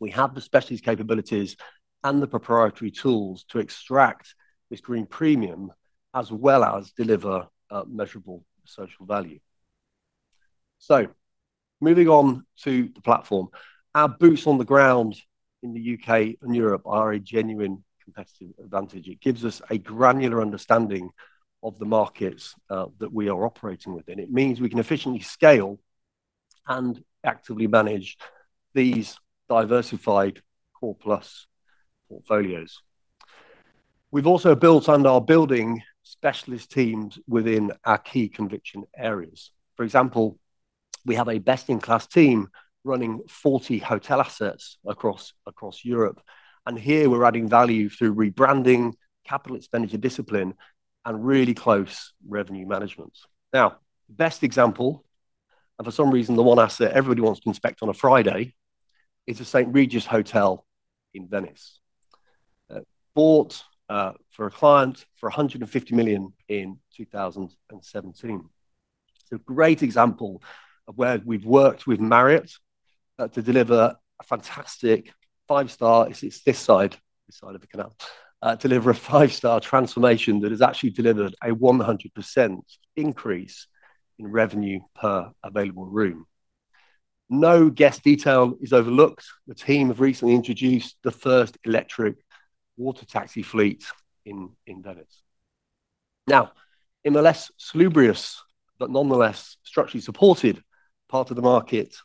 we have the specialist capabilities and the proprietary tools to extract this green premium as well as deliver measurable social value. Moving on to the platform, our boots on the ground in the U.K. and Europe are a genuine competitive advantage. It gives us a granular understanding of the markets that we are operating within. It means we can efficiently scale and actively manage these diversified core plus portfolios. We have also built and are building specialist teams within our key conviction areas. For example, we have a best-in-class team running 40 hotel assets across Europe. Here we are adding value through rebranding, capital expenditure discipline, and really close revenue management. Now, best example, and for some reason, the one asset everybody wants to inspect on a Friday is the St. Regis Hotel in Venice, bought for a client for 150 million in 2017. It's a great example of where we've worked with Marriott to deliver a fantastic five-star—it's this side, this side of the canal—to deliver a five-star transformation that has actually delivered a 100% increase in revenue per available room. No guest detail is overlooked. The team have recently introduced the first electric water taxi fleet in Venice. Now, in the less salubrious, but nonetheless structurally supported part of the market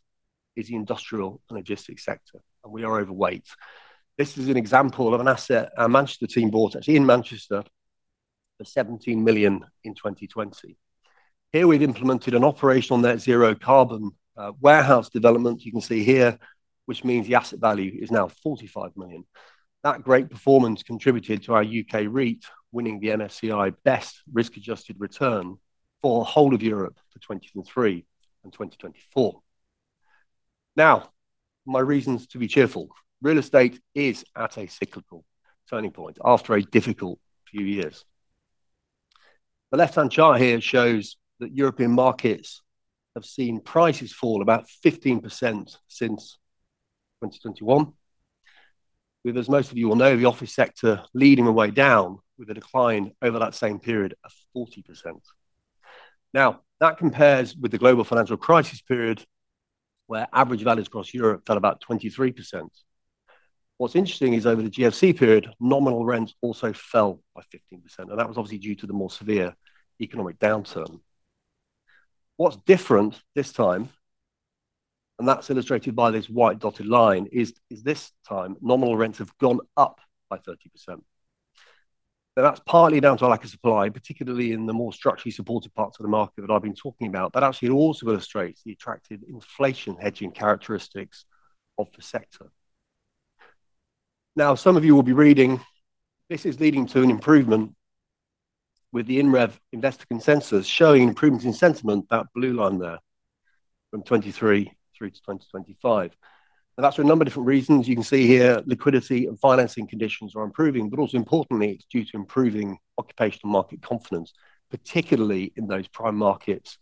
is the industrial and logistics sector, and we are overweight. This is an example of an asset our Manchester team bought actually in Manchester for 17 million in 2020. Here we've implemented an operational net zero carbon warehouse development you can see here, which means the asset value is now 45 million. That great performance contributed to our U.K. REIT winning the MSCI Best Risk-Adjusted Return for the whole of Europe for 2023 and 2024. Now, my reasons to be cheerful. Real estate is at a cyclical turning point after a difficult few years. The left-hand chart here shows that European markets have seen prices fall about 15% since 2021, with, as most of you will know, the office sector leading the way down with a decline over that same period of 40%. Now, that compares with the global financial crisis period where average values across Europe fell about 23%. What's interesting is over the GFC period, nominal rents also fell by 15%, and that was obviously due to the more severe economic downturn. What's different this time, and that's illustrated by this white dotted line, is this time nominal rents have gone up by 30%. Now, that's partly down to a lack of supply, particularly in the more structurally supported parts of the market that I've been talking about, but actually it also illustrates the attractive inflation hedging characteristics of the sector. Now, some of you will be reading this is leading to an improvement with the INREV investor consensus showing improvements in sentiment, that blue line there from 2023 through to 2025. That's for a number of different reasons. You can see here liquidity and financing conditions are improving, but also importantly, it's due to improving occupational market confidence, particularly in those prime markets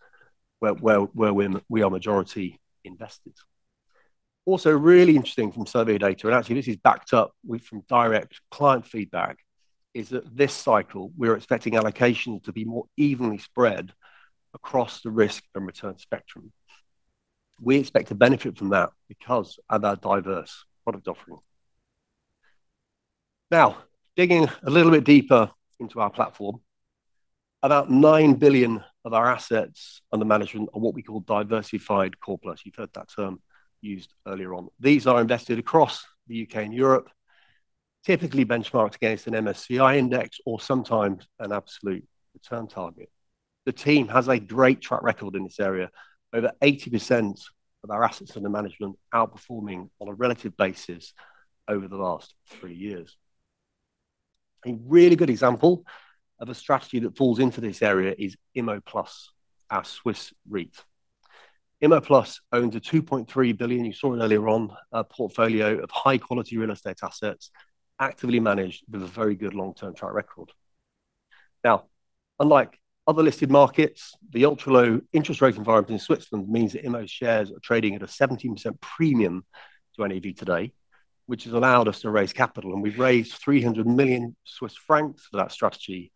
where we are majority invested. Also really interesting from survey data, and actually this is backed up from direct client feedback, is that this cycle we're expecting allocations to be more evenly spread across the risk and return spectrum. We expect to benefit from that because of our diverse product offering. Now, digging a little bit deeper into our platform, about 9 billion of our assets under management are what we call diversified core plus. You've heard that term used earlier on. These are invested across the U.K. and Europe, typically benchmarked against an MSCI index or sometimes an absolute return target. The team has a great track record in this area. Over 80% of our assets under management are performing on a relative basis over the last three years. A really good example of a strategy that falls into this area is IMO Plus, our Swiss REIT. IMO Plus owns a 2.3 billion, you saw it earlier on, portfolio of high-quality real estate assets actively managed with a very good long-term track record. Now, unlike other listed markets, the ultra-low interest rate environment in Switzerland means that IMO's shares are trading at a 17% premium to NAV today, which has allowed us to raise capital, and we have raised 300 million Swiss francs for that strategy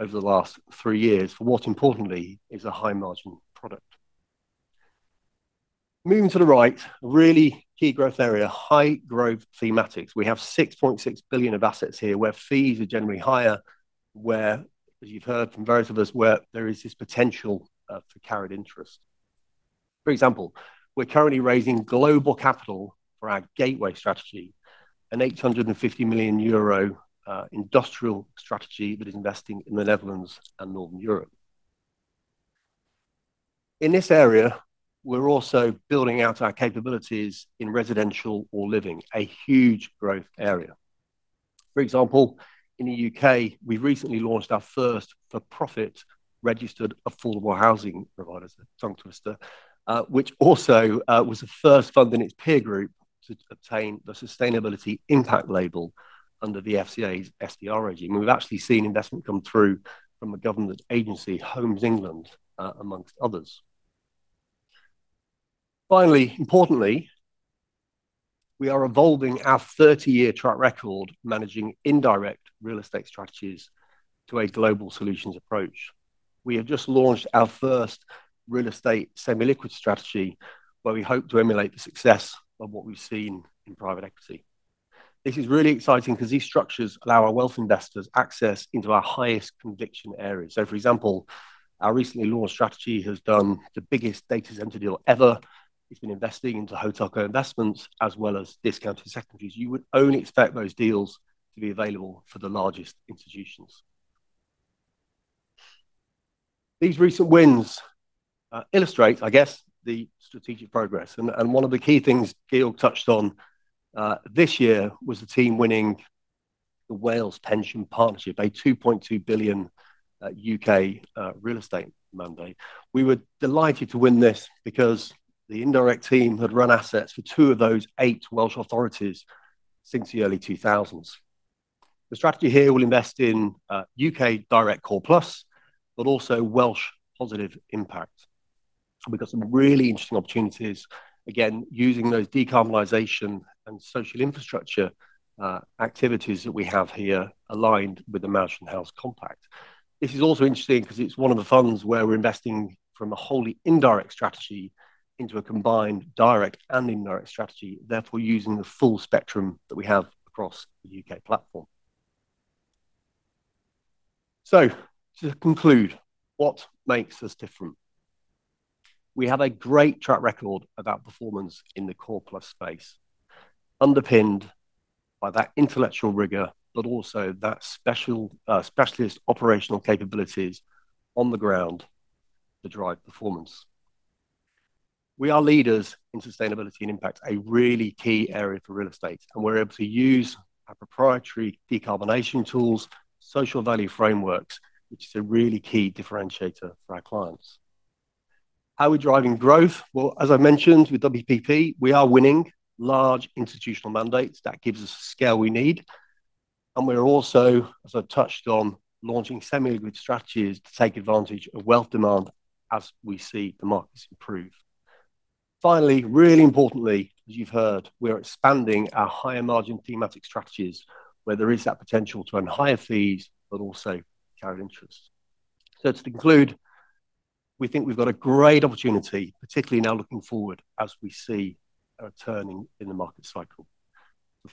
over the last three years for what importantly is a high-margin product. Moving to the right, a really key growth area, high-growth thematics. We have 6.6 billion of assets here where fees are generally higher, where, as you have heard from various of us, there is this potential for carried interest. For example, we are currently raising global capital for our Gateway Strategy, an 850 million euro industrial strategy that is investing in the Netherlands and Northern Europe. In this area, we're also building out our capabilities in residential or living, a huge growth area. For example, in the U.K., we've recently launched our first for-profit registered affordable housing provider, which also was the first fund in its peer group to obtain the sustainability impact label under the FCA's SDR regime. We've actually seen investment come through from the government agency Homes England, amongst others. Finally, importantly, we are evolving our 30-year track record managing indirect real estate strategies to a global solutions approach. We have just launched our first real estate semi-liquid strategy where we hope to emulate the success of what we've seen in private equity. This is really exciting because these structures allow our wealth investors access into our highest conviction areas. For example, our recently launched strategy has done the biggest data center deal ever. It's been investing into hotel co-investments as well as discounted secondaries. You would only expect those deals to be available for the largest institutions. These recent wins illustrate, I guess, the strategic progress. One of the key things Georg touched on this year was the team winning the Wales Pension Partnership, a 2.2 billion U.K. real estate mandate. We were delighted to win this because the indirect team had run assets for two of those eight Welsh authorities since the early 2000s. The strategy here will invest in U.K. direct core plus, but also Welsh positive impact. We've got some really interesting opportunities, again, using those decarbonisation and social infrastructure activities that we have here aligned with the Managed In-House Compact. This is also interesting because it's one of the funds where we're investing from a wholly indirect strategy into a combined direct and indirect strategy, therefore using the full spectrum that we have across the U.K. platform. To conclude, what makes us different? We have a great track record of our performance in the core plus space, underpinned by that intellectual rigor, but also that specialist operational capabilities on the ground to drive performance. We are leaders in sustainability and impact, a really key area for real estate, and we're able to use our proprietary decarbonisation tools, social value frameworks, which is a really key differentiator for our clients. How are we driving growth? As I mentioned with WPP, we are winning large institutional mandates. That gives us the scale we need. We're also, as I've touched on, launching semi-liquid strategies to take advantage of wealth demand as we see the markets improve. Finally, really importantly, as you've heard, we are expanding our higher margin thematic strategies where there is that potential to earn higher fees, but also carried interest. To conclude, we think we've got a great opportunity, particularly now looking forward as we see a turning in the market cycle.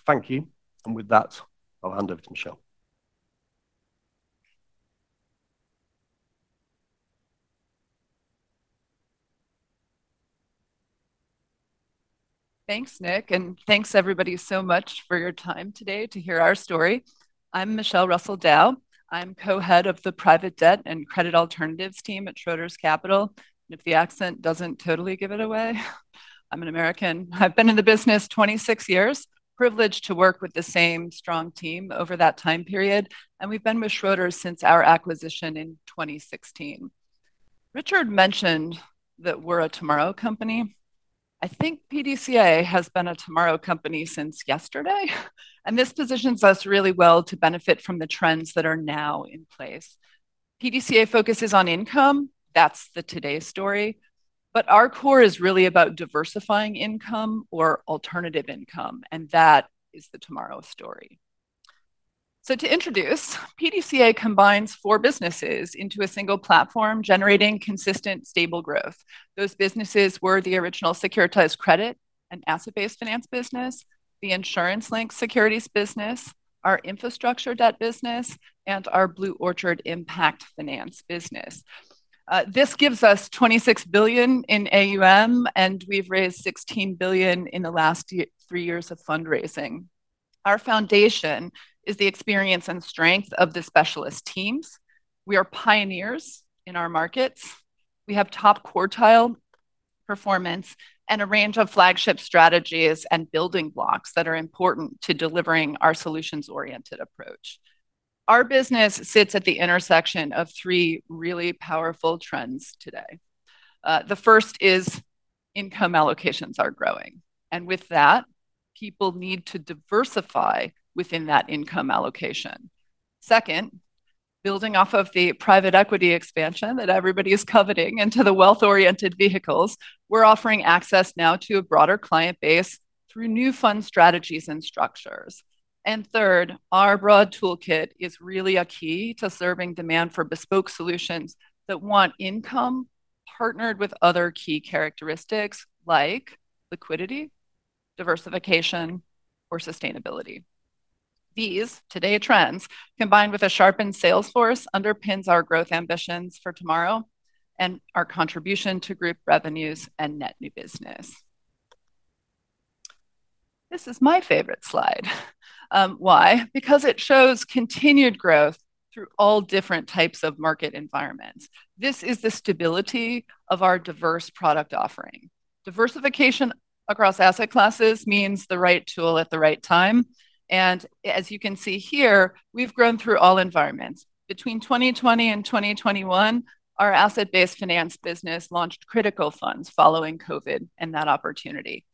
Thank you. With that, I'll hand over to Michelle. Thanks, Nick, and thanks everybody so much for your time today to hear our story. I'm Michelle Russell-Dowe. I'm co-head of the Private Debt and Credit Alternatives team at Schroders Capital. If the accent doesn't totally give it away, I'm an American. I've been in the business 26 years, privileged to work with the same strong team over that time period. We have been with Schroders since our acquisition in 2016. Richard mentioned that we are a tomorrow company. I think PDCA has been a tomorrow company since yesterday, and this positions us really well to benefit from the trends that are now in place. PDCA focuses on income. That is the today's story. Our core is really about diversifying income or alternative income, and that is the tomorrow story. To introduce, PDCA combines four businesses into a single platform, generating consistent stable growth. Those businesses were the original securitised credit, an asset-based finance business, the insurance link securities business, our infrastructure debt business, and our Blue Orchard impact finance business. This gives us 26 billion in AUM, and we have raised 16 billion in the last three years of fundraising. Our foundation is the experience and strength of the specialist teams. We are pioneers in our markets. We have top quartile performance and a range of flagship strategies and building blocks that are important to delivering our solutions-oriented approach. Our business sits at the intersection of three really powerful trends today. The first is income allocations are growing, and with that, people need to diversify within that income allocation. Second, building off of the private equity expansion that everybody is coveting into the wealth-oriented vehicles, we are offering access now to a broader client base through new fund strategies and structures. Third, our broad toolkit is really a key to serving demand for bespoke solutions that want income partnered with other key characteristics like liquidity, diversification, or sustainability. These today trends, combined with a sharpened sales force, underpins our growth ambitions for tomorrow and our contribution to group revenues and net new business. This is my favorite slide. Why? Because it shows continued growth through all different types of market environments. This is the stability of our diverse product offering. Diversification across asset classes means the right tool at the right time. As you can see here, we've grown through all environments. Between 2020 and 2021, our asset-based finance business launched critical funds following COVID and that opportunity.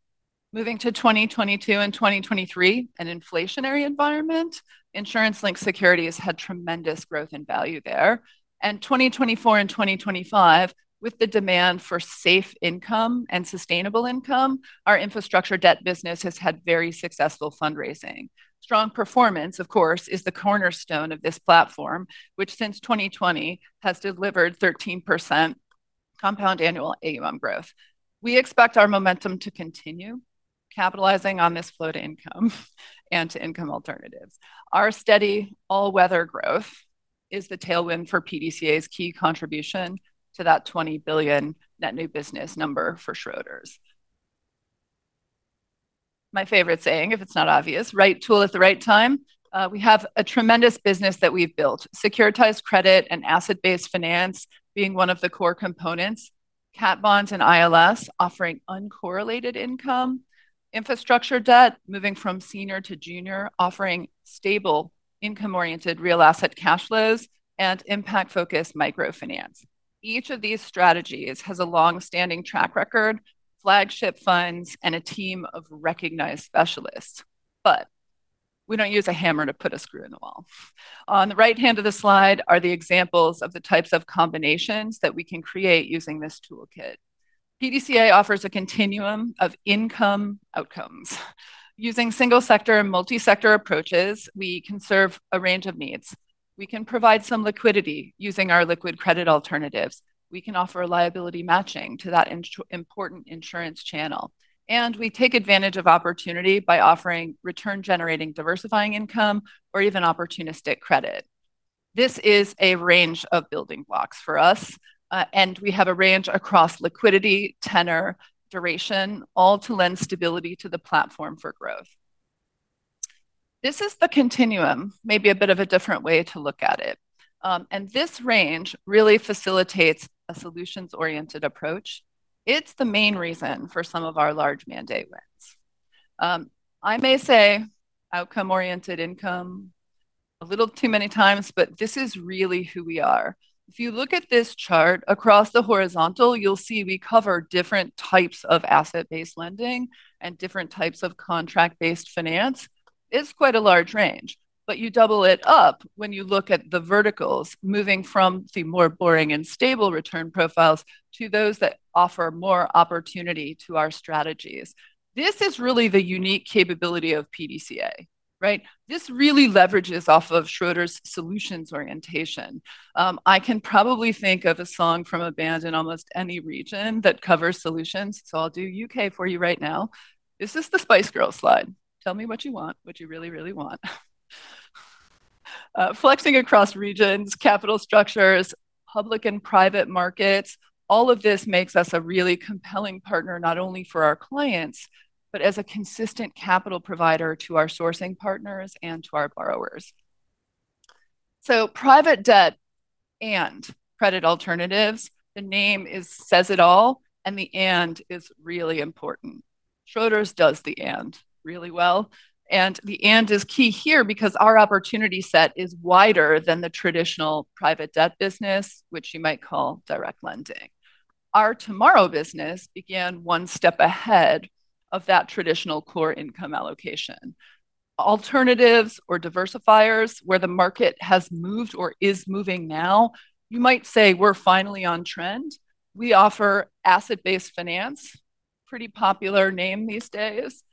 Moving to 2022 and 2023, an inflationary environment, insurance link securities had tremendous growth and value there. In 2024 and 2025, with the demand for safe income and sustainable income, our infrastructure debt business has had very successful fundraising. Strong performance, of course, is the cornerstone of this platform, which since 2020 has delivered 13% compound annual AUM growth. We expect our momentum to continue, capitalizing on this flow to income and to income alternatives. Our steady all-weather growth is the tailwind for PDCA's key contribution to that 20 billion net new business number for Schroders. My favourite saying, if it's not obvious, right tool at the right time. We have a tremendous business that we've built, securitised credit and asset-based finance being one of the core components, cap bonds and ILS offering uncorrelated income, infrastructure debt moving from senior to junior, offering stable income-oriented real asset cash flows, and impact-focused microfinance. Each of these strategies has a long-standing track record, flagship funds, and a team of recognised specialists. We don't use a hammer to put a screw in the wall. On the right hand of the slide are the examples of the types of combinations that we can create using this toolkit. PDCA offers a continuum of income outcomes. Using single-sector and multi-sector approaches, we can serve a range of needs. We can provide some liquidity using our liquid credit alternatives. We can offer liability matching to that important insurance channel. We take advantage of opportunity by offering return-generating diversifying income or even opportunistic credit. This is a range of building blocks for us, and we have a range across liquidity, tenor, duration, all to lend stability to the platform for growth. This is the continuum, maybe a bit of a different way to look at it. This range really facilitates a solutions-oriented approach. It is the main reason for some of our large mandate wins. I may say outcome-oriented income a little too many times, but this is really who we are. If you look at this chart across the horizontal, you will see we cover different types of asset-based lending and different types of contract-based finance. It's quite a large range, but you double it up when you look at the verticals, moving from the more boring and stable return profiles to those that offer more opportunity to our strategies. This is really the unique capability of PDCA, right? This really leverages off of Schroders' solutions orientation. I can probably think of a song from a band in almost any region that covers solutions, so I'll do U.K. for you right now. This is the Spice Girls slide. Tell me what you want, what you really, really want. Flexing across regions, capital structures, public and private markets, all of this makes us a really compelling partner, not only for our clients, but as a consistent capital provider to our sourcing partners and to our borrowers. Private debt and credit alternatives, the name says it all, and the and is really important. Schroders does the and really well. The and is key here because our opportunity set is wider than the traditional private debt business, which you might call direct lending. Our tomorrow business began one step ahead of that traditional core income allocation. Alternatives or diversifiers, where the market has moved or is moving now, you might say we're finally on trend. We offer asset-based finance, pretty popular name these days,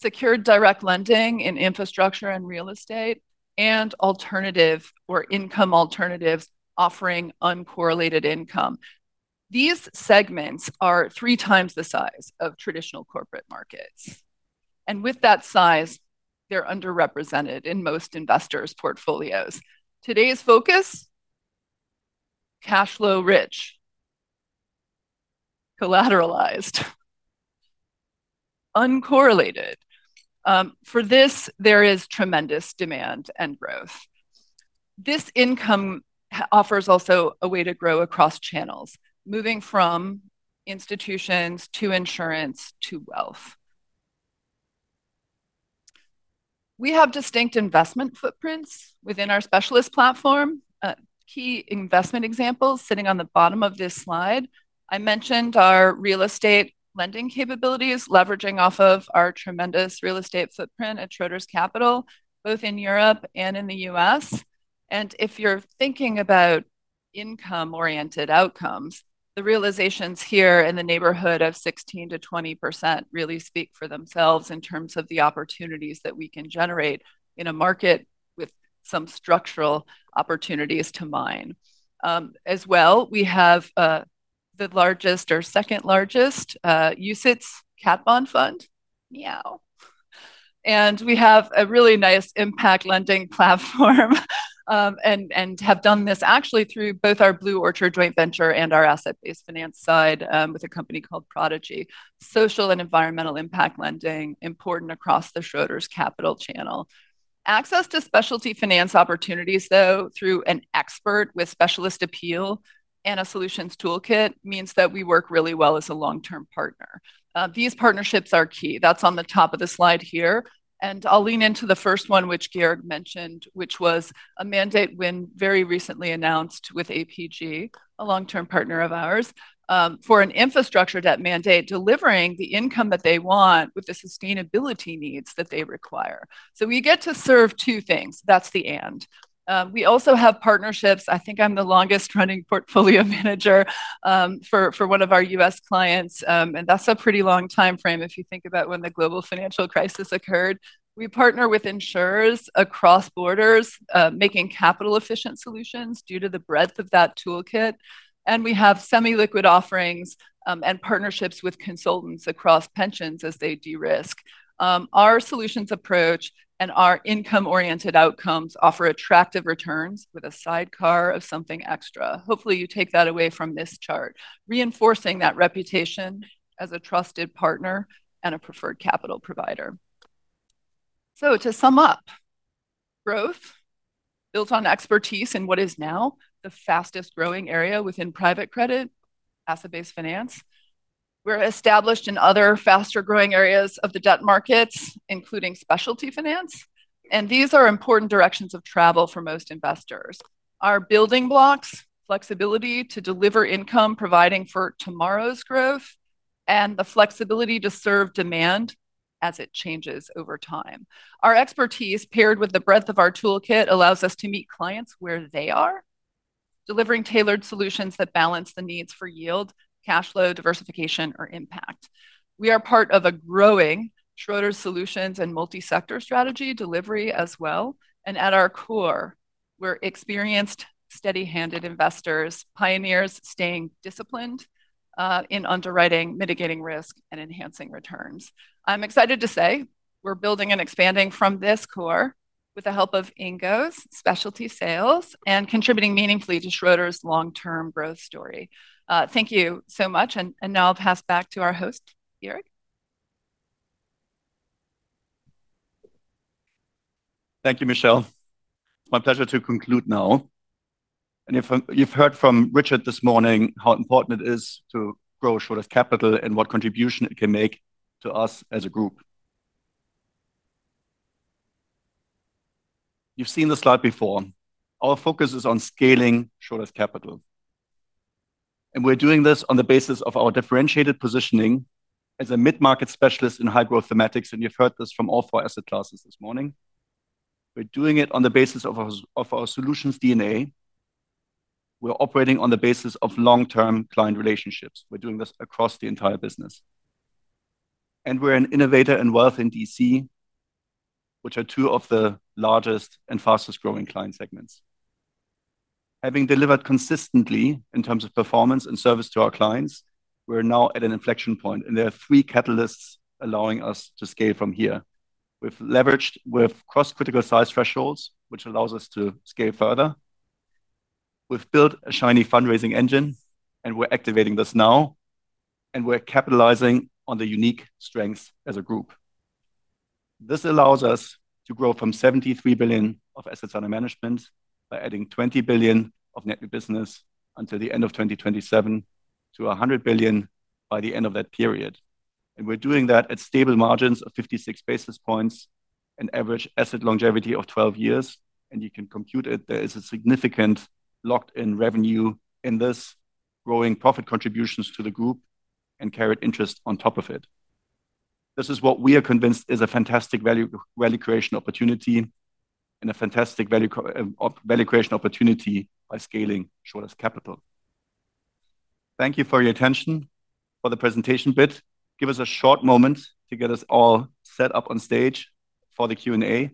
secured direct lending in infrastructure and real estate, and alternative or income alternatives offering uncorrelated income. These segments are three times the size of traditional corporate markets. With that size, they're underrepresented in most investors' portfolios. Today's focus? Cash flow rich, collateralised, uncorrelated. For this, there is tremendous demand and growth. This income offers also a way to grow across channels, moving from institutions to insurance to wealth. We have distinct investment footprints within our specialist platform. Key investment examples sitting on the bottom of this slide. I mentioned our real estate lending capabilities, leveraging off of our tremendous real estate footprint at Schroders Capital, both in Europe and in the U.S. If you're thinking about income-oriented outcomes, the realisations here in the neighbourhood of 16%-20% really speak for themselves in terms of the opportunities that we can generate in a market with some structural opportunities to mine. As well, we have the largest or second largest UCITS cat bond fund, Miao. We have a really nice impact lending platform and have done this actually through both our Blue Orchard joint venture and our asset-based finance side with a company called Prodigy. Social and environmental impact lending is important across the Schroders Capital channel. Access to specialty finance opportunities, though, through an expert with specialist appeal and a solutions toolkit means that we work really well as a long-term partner. These partnerships are key. That is on the top of the slide here. I will lean into the first one, which Georg mentioned, which was a mandate win very recently announced with APG, a long-term partner of ours, for an infrastructure debt mandate delivering the income that they want with the sustainability needs that they require. We get to serve two things. That is the and. We also have partnerships. I think I am the longest running portfolio manager for one of our U.S. clients, and that is a pretty long time frame if you think about when the global financial crisis occurred. We partner with insurers across borders, making capital-efficient solutions due to the breadth of that toolkit. We have semi-liquid offerings and partnerships with consultants across pensions as they de-risk. Our solutions approach and our income-oriented outcomes offer attractive returns with a sidecar of something extra. Hopefully, you take that away from this chart, reinforcing that reputation as a trusted partner and a preferred capital provider. To sum up, growth built on expertise in what is now the fastest growing area within private credit, asset-based finance. We're established in other faster growing areas of the debt markets, including specialty finance. These are important directions of travel for most investors. Our building blocks, flexibility to deliver income providing for tomorrow's growth, and the flexibility to serve demand as it changes over time. Our expertise, paired with the breadth of our toolkit, allows us to meet clients where they are, delivering tailored solutions that balance the needs for yield, cash flow, diversification, or impact. We are part of a growing Schroders solutions and multi-sector strategy delivery as well. At our core, we're experienced, steady-handed investors, pioneers staying disciplined in underwriting, mitigating risk, and enhancing returns. I'm excited to say we're building and expanding from this core with the help of Ingo's specialty sales and contributing meaningfully to Schroders' long-term growth story. Thank you so much. Now I'll pass back to our host, Georg. Thank you, Michelle. It's my pleasure to conclude now. You have heard from Richard this morning how important it is to grow Schroders Capital and what contribution it can make to us as a group. You have seen the slide before. Our focus is on scaling Schroders Capital. We are doing this on the basis of our differentiated positioning as a mid-market specialist in high-growth thematics. You have heard this from all four asset classes this morning. We're doing it on the basis of our solutions DNA. We're operating on the basis of long-term client relationships. We're doing this across the entire business. We're an innovator in wealth and DC, which are two of the largest and fastest-growing client segments. Having delivered consistently in terms of performance and service to our clients, we're now at an inflection point. There are three catalysts allowing us to scale from here. We've leveraged with cross-critical size thresholds, which allows us to scale further. We've built a shiny fundraising engine, and we're activating this now. We're capitalizing on the unique strengths as a group. This allows us to grow from 73 billion of assets under management by adding 20 billion of net new business until the end of 2027 to 100 billion by the end of that period. We are doing that at stable margins of 56 basis points and average asset longevity of 12 years. You can compute it. There is a significant locked-in revenue in this, growing profit contributions to the group, and carried interest on top of it. This is what we are convinced is a fantastic value creation opportunity and a fantastic value creation opportunity by scaling Schroders Capital. Thank you for your attention for the presentation bit. Give us a short moment to get us all set up on stage for the Q&A.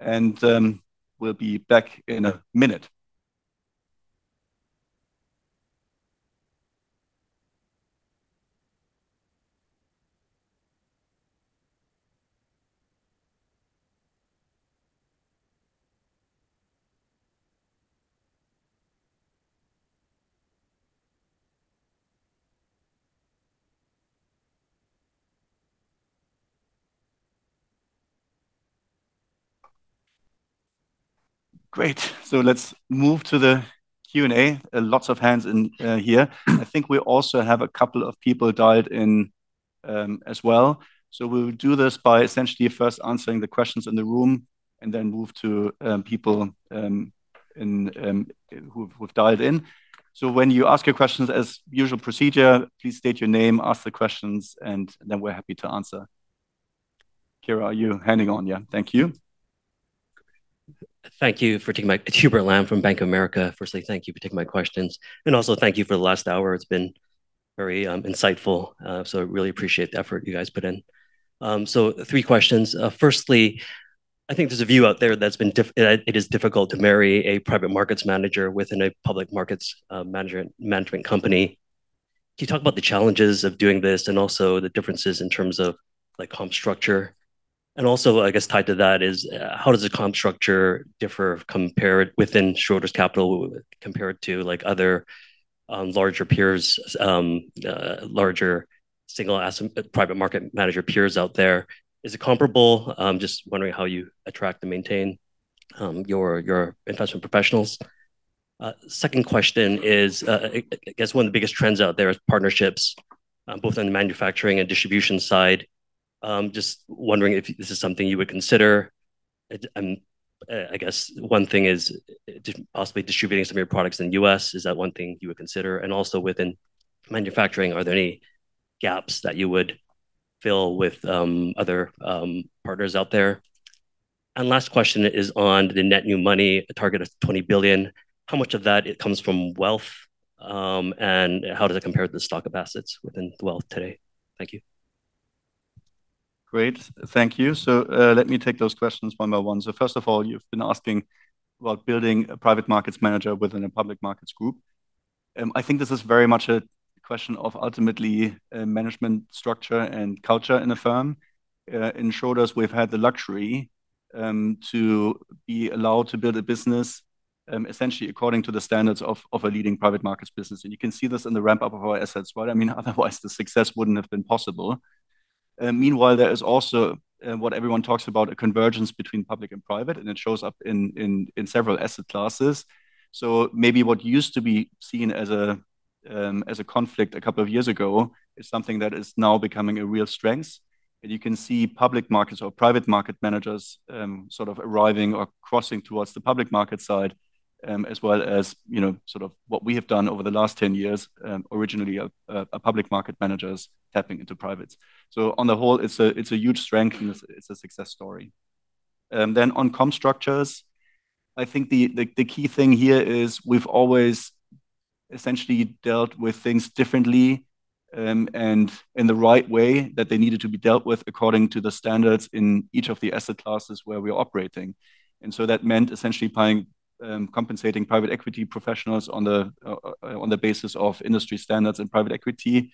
We will be back in a minute. Great. Let us move to the Q&A. Lots of hands in here. I think we also have a couple of people dialed in as well. We will do this by essentially first answering the questions in the room and then move to people who have dialed in. When you ask your questions, as usual procedure, please state your name, ask the questions, and then we are happy to answer. Keiran, are you handing on? Thank you. Thank you for taking my questions. Hubert Lam from Bank of America. Firstly, thank you for taking my questions. And also, thank you for the last hour. It has been very insightful. I really appreciate the effort you guys put in. Three questions. Firstly, I think there is a view out there that it is difficult to marry a private markets manager within a public markets management company. Can you talk about the challenges of doing this and also the differences in terms of comp structure? I guess tied to that is how does the comp structure differ within Schroders Capital compared to other larger peers, larger single private market manager peers out there? Is it comparable? Just wondering how you attract and maintain your investment professionals. Second question is, I guess one of the biggest trends out there is partnerships, both on the manufacturing and distribution side. Just wondering if this is something you would consider. I guess one thing is possibly distributing some of your products in the U.S. Is that one thing you would consider? Also, within manufacturing, are there any gaps that you would fill with other partners out there? Last question is on the net new money, a target of 20 billion. How much of that comes from wealth, and how does it compare to the stock of assets within wealth today? Thank you. Great. Thank you. Let me take those questions one by one. First of all, you've been asking about building a private markets manager within a public markets group. I think this is very much a question of ultimately management structure and culture in a firm. In Schroders, we've had the luxury to be allowed to build a business essentially according to the standards of a leading private markets business. You can see this in the ramp-up of our assets, right? I mean, otherwise, the success wouldn't have been possible. Meanwhile, there is also what everyone talks about, a convergence between public and private, and it shows up in several asset classes. Maybe what used to be seen as a conflict a couple of years ago is something that is now becoming a real strength. You can see public markets or private market managers sort of arriving or crossing towards the public market side, as well as sort of what we have done over the last 10 years, originally public market managers tapping into privates. On the whole, it's a huge strength and it's a success story. On comp structures, I think the key thing here is we've always essentially dealt with things differently and in the right way that they needed to be dealt with according to the standards in each of the asset classes where we're operating. That meant essentially compensating private equity professionals on the basis of industry standards in private equity,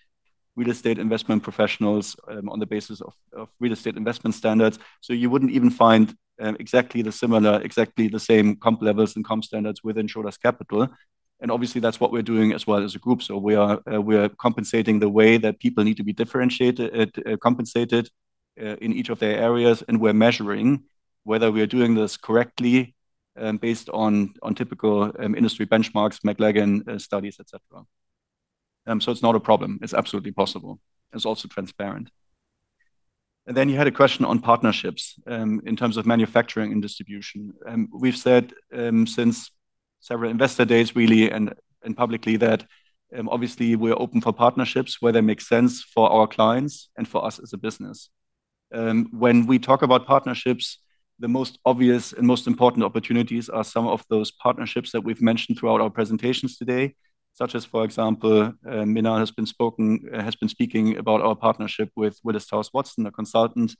real estate investment professionals on the basis of real estate investment standards. You wouldn't even find exactly the same comp levels and comp standards within Schroders Capital. Obviously, that's what we're doing as well as a group. We're compensating the way that people need to be differentiated, compensated in each of their areas. We're measuring whether we're doing this correctly based on typical industry benchmarks, McLagan studies, etc. It is not a problem. It is absolutely possible. It is also transparent. You had a question on partnerships in terms of manufacturing and distribution. We have said since several investor days, really, and publicly that obviously we are open for partnerships where they make sense for our clients and for us as a business. When we talk about partnerships, the most obvious and most important opportunities are some of those partnerships that we have mentioned throughout our presentations today, such as, for example, Minal has been speaking about our partnership with Willis Towers Watson, a consultant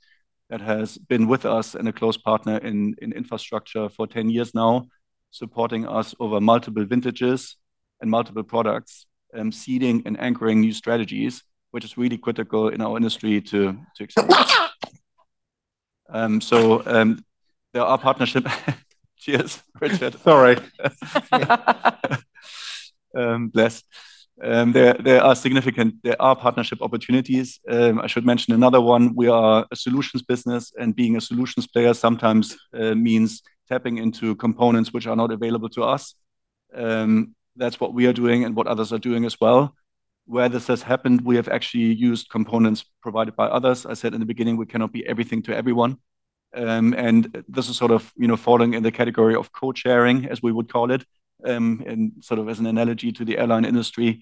that has been with us and a close partner in infrastructure for 10 years now, supporting us over multiple vintages and multiple products, seeding and anchoring new strategies, which is really critical in our industry to accept. There are partnerships. Cheers, Richard. Sorry. Bless. There are significant partnership opportunities. I should mention another one. We are a solutions business, and being a solutions player sometimes means tapping into components which are not available to us. That is what we are doing and what others are doing as well. Where this has happened, we have actually used components provided by others. I said in the beginning, we cannot be everything to everyone. This is sort of falling in the category of co-sharing, as we would call it, and sort of as an analogy to the airline industry.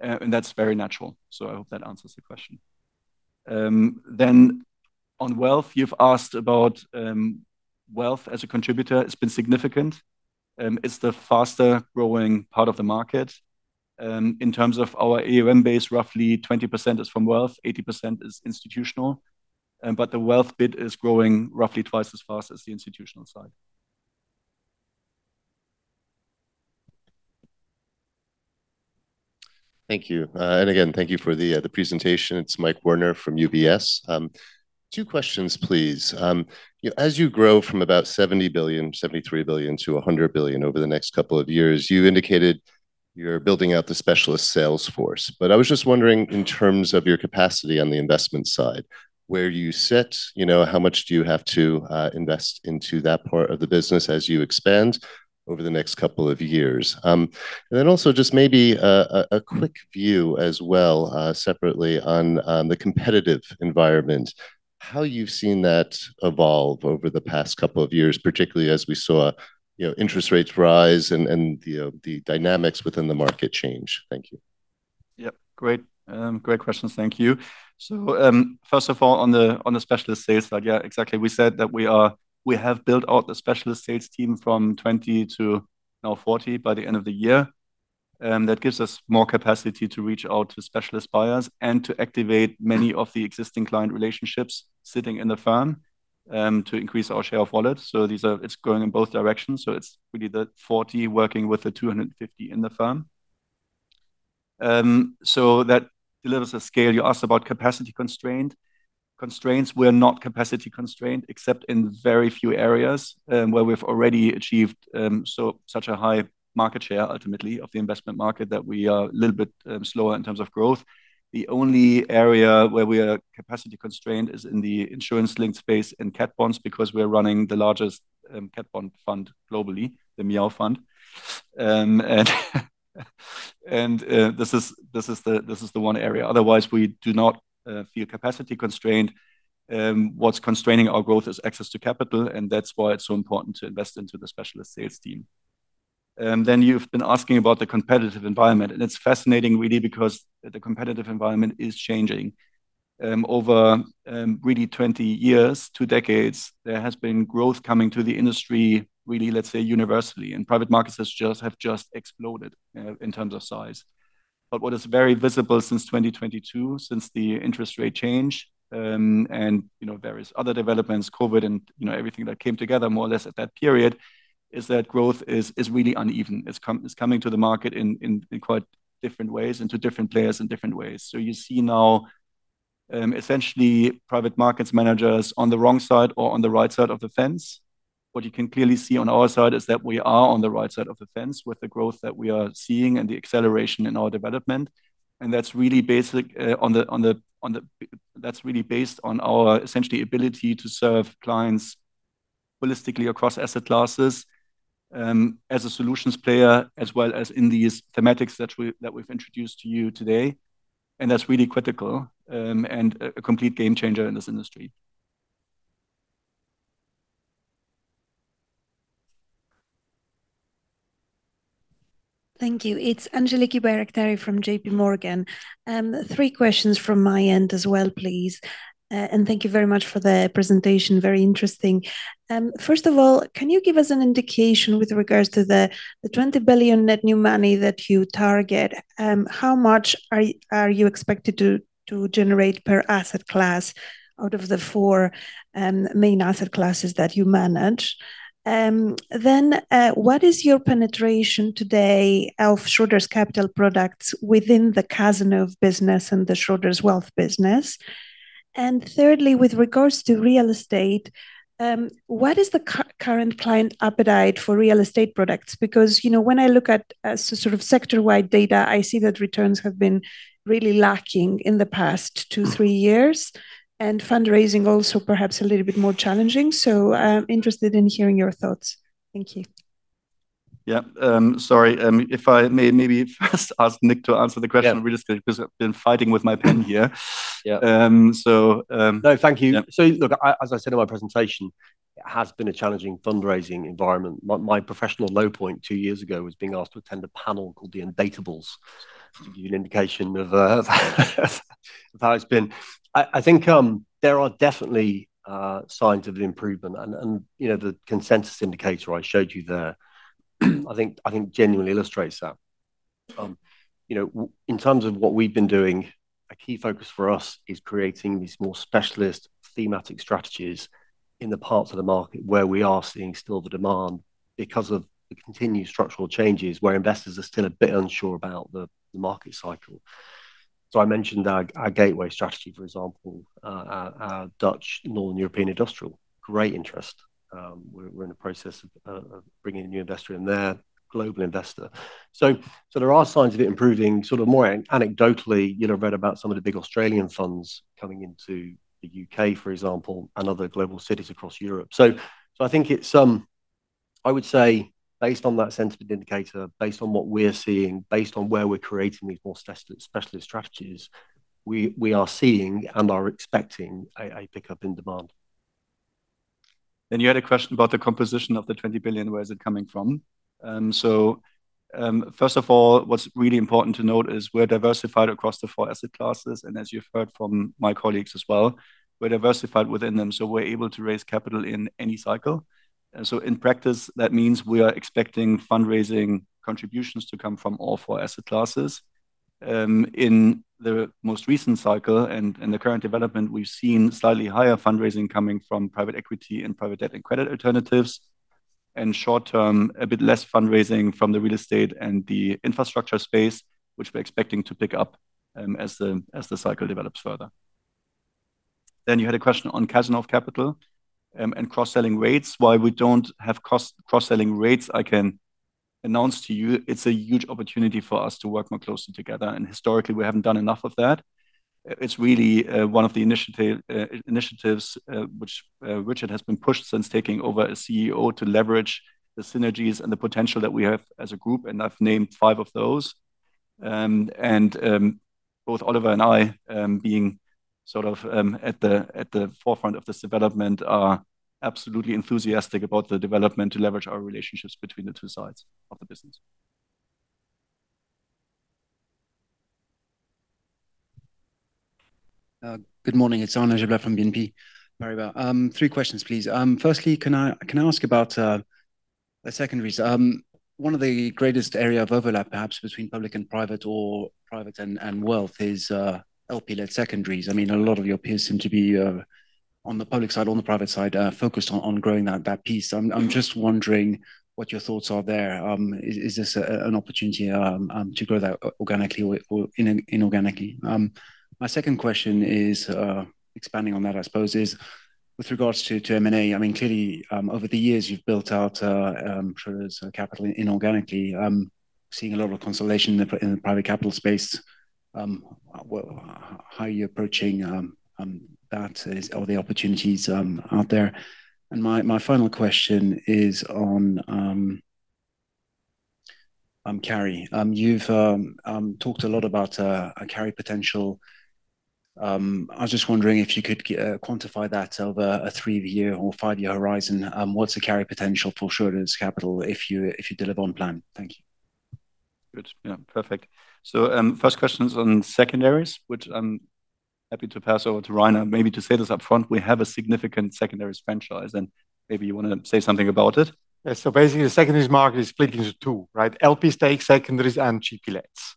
That is very natural. I hope that answers the question. You have asked about wealth as a contributor. It has been significant. It is the faster growing part of the market. In terms of our AUM base, roughly 20% is from wealth, 80% is institutional. The wealth bit is growing roughly twice as fast as the institutional side. Thank you. Again, thank you for the presentation. It's Mike Werner from UBS. Two questions, please. As you grow from about 73 billion-100 billion over the next couple of years, you indicated you're building out the specialist sales force. I was just wondering in terms of your capacity on the investment side, where you sit, how much do you have to invest into that part of the business as you expand over the next couple of years? Also, maybe a quick view as well separately on the competitive environment, how you've seen that evolve over the past couple of years, particularly as we saw interest rates rise and the dynamics within the market change. Thank you. Yep. Great. Great questions. Thank you. First of all, on the specialist sales, yeah, exactly. We said that we have built out the specialist sales team from 20 to now 40 by the end of the year. That gives us more capacity to reach out to specialist buyers and to activate many of the existing client relationships sitting in the firm to increase our share of wallets. It is going in both directions. It is really the 40 working with the 250 in the firm. That delivers a scale. You asked about capacity constraints. We are not capacity constrained except in very few areas where we have already achieved such a high market share, ultimately, of the investment market that we are a little bit slower in terms of growth. The only area where we are capacity constrained is in the insurance-linked space in cat bonds because we are running the largest cat bond fund globally, the Miao Fund. This is the one area. Otherwise, we do not feel capacity constrained. What's constraining our growth is access to capital, and that's why it's so important to invest into the specialist sales team. You have been asking about the competitive environment. It's fascinating, really, because the competitive environment is changing. Over really 20 years, two decades, there has been growth coming to the industry, really, let's say, universally. Private markets have just exploded in terms of size. What is very visible since 2022, since the interest rate change and various other developments, COVID and everything that came together more or less at that period, is that growth is really uneven. It's coming to the market in quite different ways and to different players in different ways. You see now essentially private markets managers on the wrong side or on the right side of the fence. What you can clearly see on our side is that we are on the right side of the fence with the growth that we are seeing and the acceleration in our development. That is really based on our essentially ability to serve clients holistically across asset classes as a solutions player, as well as in these thematics that we have introduced to you today. That is really critical and a complete game changer in this industry. Thank you. It is Angeliki Bairaktari from JPMorgan. Three questions from my end as well, please. Thank you very much for the presentation. Very interesting. First of all, can you give us an indication with regards to the 20 billion net new money that you target? How much are you expected to generate per asset class out of the four main asset classes that you manage? What is your penetration today of Schroders Capital products within the casino business and the Schroders Wealth business? Thirdly, with regards to real estate, what is the current client appetite for real estate products? Because when I look at sort of sector-wide data, I see that returns have been really lacking in the past two, three years. Fundraising also perhaps a little bit more challenging. I am interested in hearing your thoughts. Thank you. Yeah. Sorry. If I may maybe first ask Nick to answer the question. We are just going to be fighting with my pen here. Yeah. No, thank you. As I said in my presentation, it has been a challenging fundraising environment. My professional low point two years ago was being asked to attend a panel called The Unbeatables, to give you an indication of how it has been. I think there are definitely signs of improvement. The consensus indicator I showed you there, I think genuinely illustrates that. In terms of what we've been doing, a key focus for us is creating these more specialist thematic strategies in the parts of the market where we are seeing still the demand because of the continued structural changes where investors are still a bit unsure about the market cycle. I mentioned our Gateway Strategy, for example, our Dutch Northern European industrial. Great interest. We are in the process of bringing a new investor in there, global investor. There are signs of it improving. More anecdotally, you'll have read about some of the big Australian funds coming into the U.K., for example, and other global cities across Europe. I think it's, I would say, based on that sentiment indicator, based on what we're seeing, based on where we're creating these more specialist strategies, we are seeing and are expecting a pickup in demand. You had a question about the composition of the 20 billion. Where is it coming from? First of all, what's really important to note is we're diversified across the four asset classes. As you've heard from my colleagues as well, we're diversified within them. We're able to raise capital in any cycle. In practice, that means we are expecting fundraising contributions to come from all four asset classes. In the most recent cycle and the current development, we've seen slightly higher fundraising coming from private equity and private debt and credit alternatives. Short term, a bit less fundraising from the real estate and the infrastructure space, which we are expecting to pick up as the cycle develops further. You had a question on Cazenove Capital and cross-selling rates. While we do not have cross-selling rates, I can announce to you, it is a huge opportunity for us to work more closely together. Historically, we have not done enough of that. It is really one of the initiatives which Richard has been pushed since taking over as CEO to leverage the synergies and the potential that we have as a group. I have named five of those. Both Oliver and I, being sort of at the forefront of this development, are absolutely enthusiastic about the development to leverage our relationships between the two sides of the business. Good morning. It is Arnaud Giblat from BNP. Very well. Three questions, please. Firstly, can I ask about the secondaries? One of the greatest areas of overlap, perhaps, between public and private or private and wealth is LP-led secondaries. I mean, a lot of your peers seem to be on the public side, on the private side, focused on growing that piece. I'm just wondering what your thoughts are there. Is this an opportunity to grow that organically or inorganically? My second question is, expanding on that, I suppose, is with regards to M&A. I mean, clearly, over the years, you've built out Schroders Capital inorganically. Seeing a lot of consolidation in the private capital space, how are you approaching that or the opportunities out there? My final question is on carry. You've talked a lot about carry potential. I was just wondering if you could quantify that over a three-year or five-year horizon. What's the carry potential for Schroders Capital if you deliver on plan? Thank you. Good. Yeah. Perfect. First question is on secondaries, which I'm happy to pass over to Rainer. Maybe to say this upfront, we have a significant secondary franchise. Maybe you want to say something about it. Basically, the secondary market is split into two, right? LP stakes, secondaries, and GP-leds.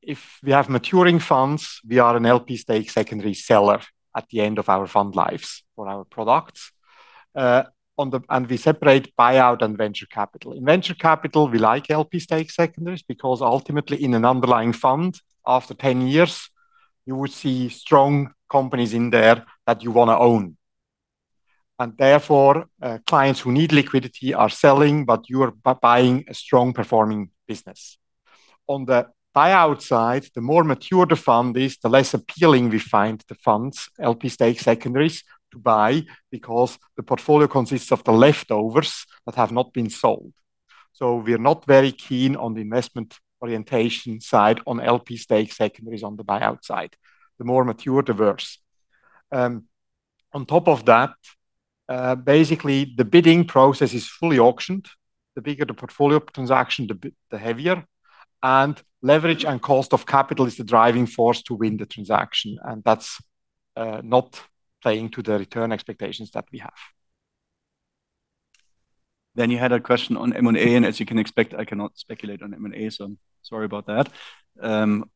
If we have maturing funds, we are an LP stake secondary seller at the end of our fund lives for our products. We separate buyout and venture capital. In venture capital, we like LP stake secondaries because ultimately, in an underlying fund, after 10 years, you would see strong companies in there that you want to own. Therefore, clients who need liquidity are selling, but you are buying a strong-performing business. On the buyout side, the more mature the fund is, the less appealing we find the funds, LP stake secondaries, to buy because the portfolio consists of the leftovers that have not been sold. We are not very keen on the investment orientation side on LP stake secondaries on the buyout side. The more mature, the worse. On top of that, basically, the bidding process is fully auctioned. The bigger the portfolio transaction, the heavier. Leverage and cost of capital is the driving force to win the transaction. That is not playing to the return expectations that we have. You had a question on M&A. As you can expect, I cannot speculate on M&A. Sorry about that.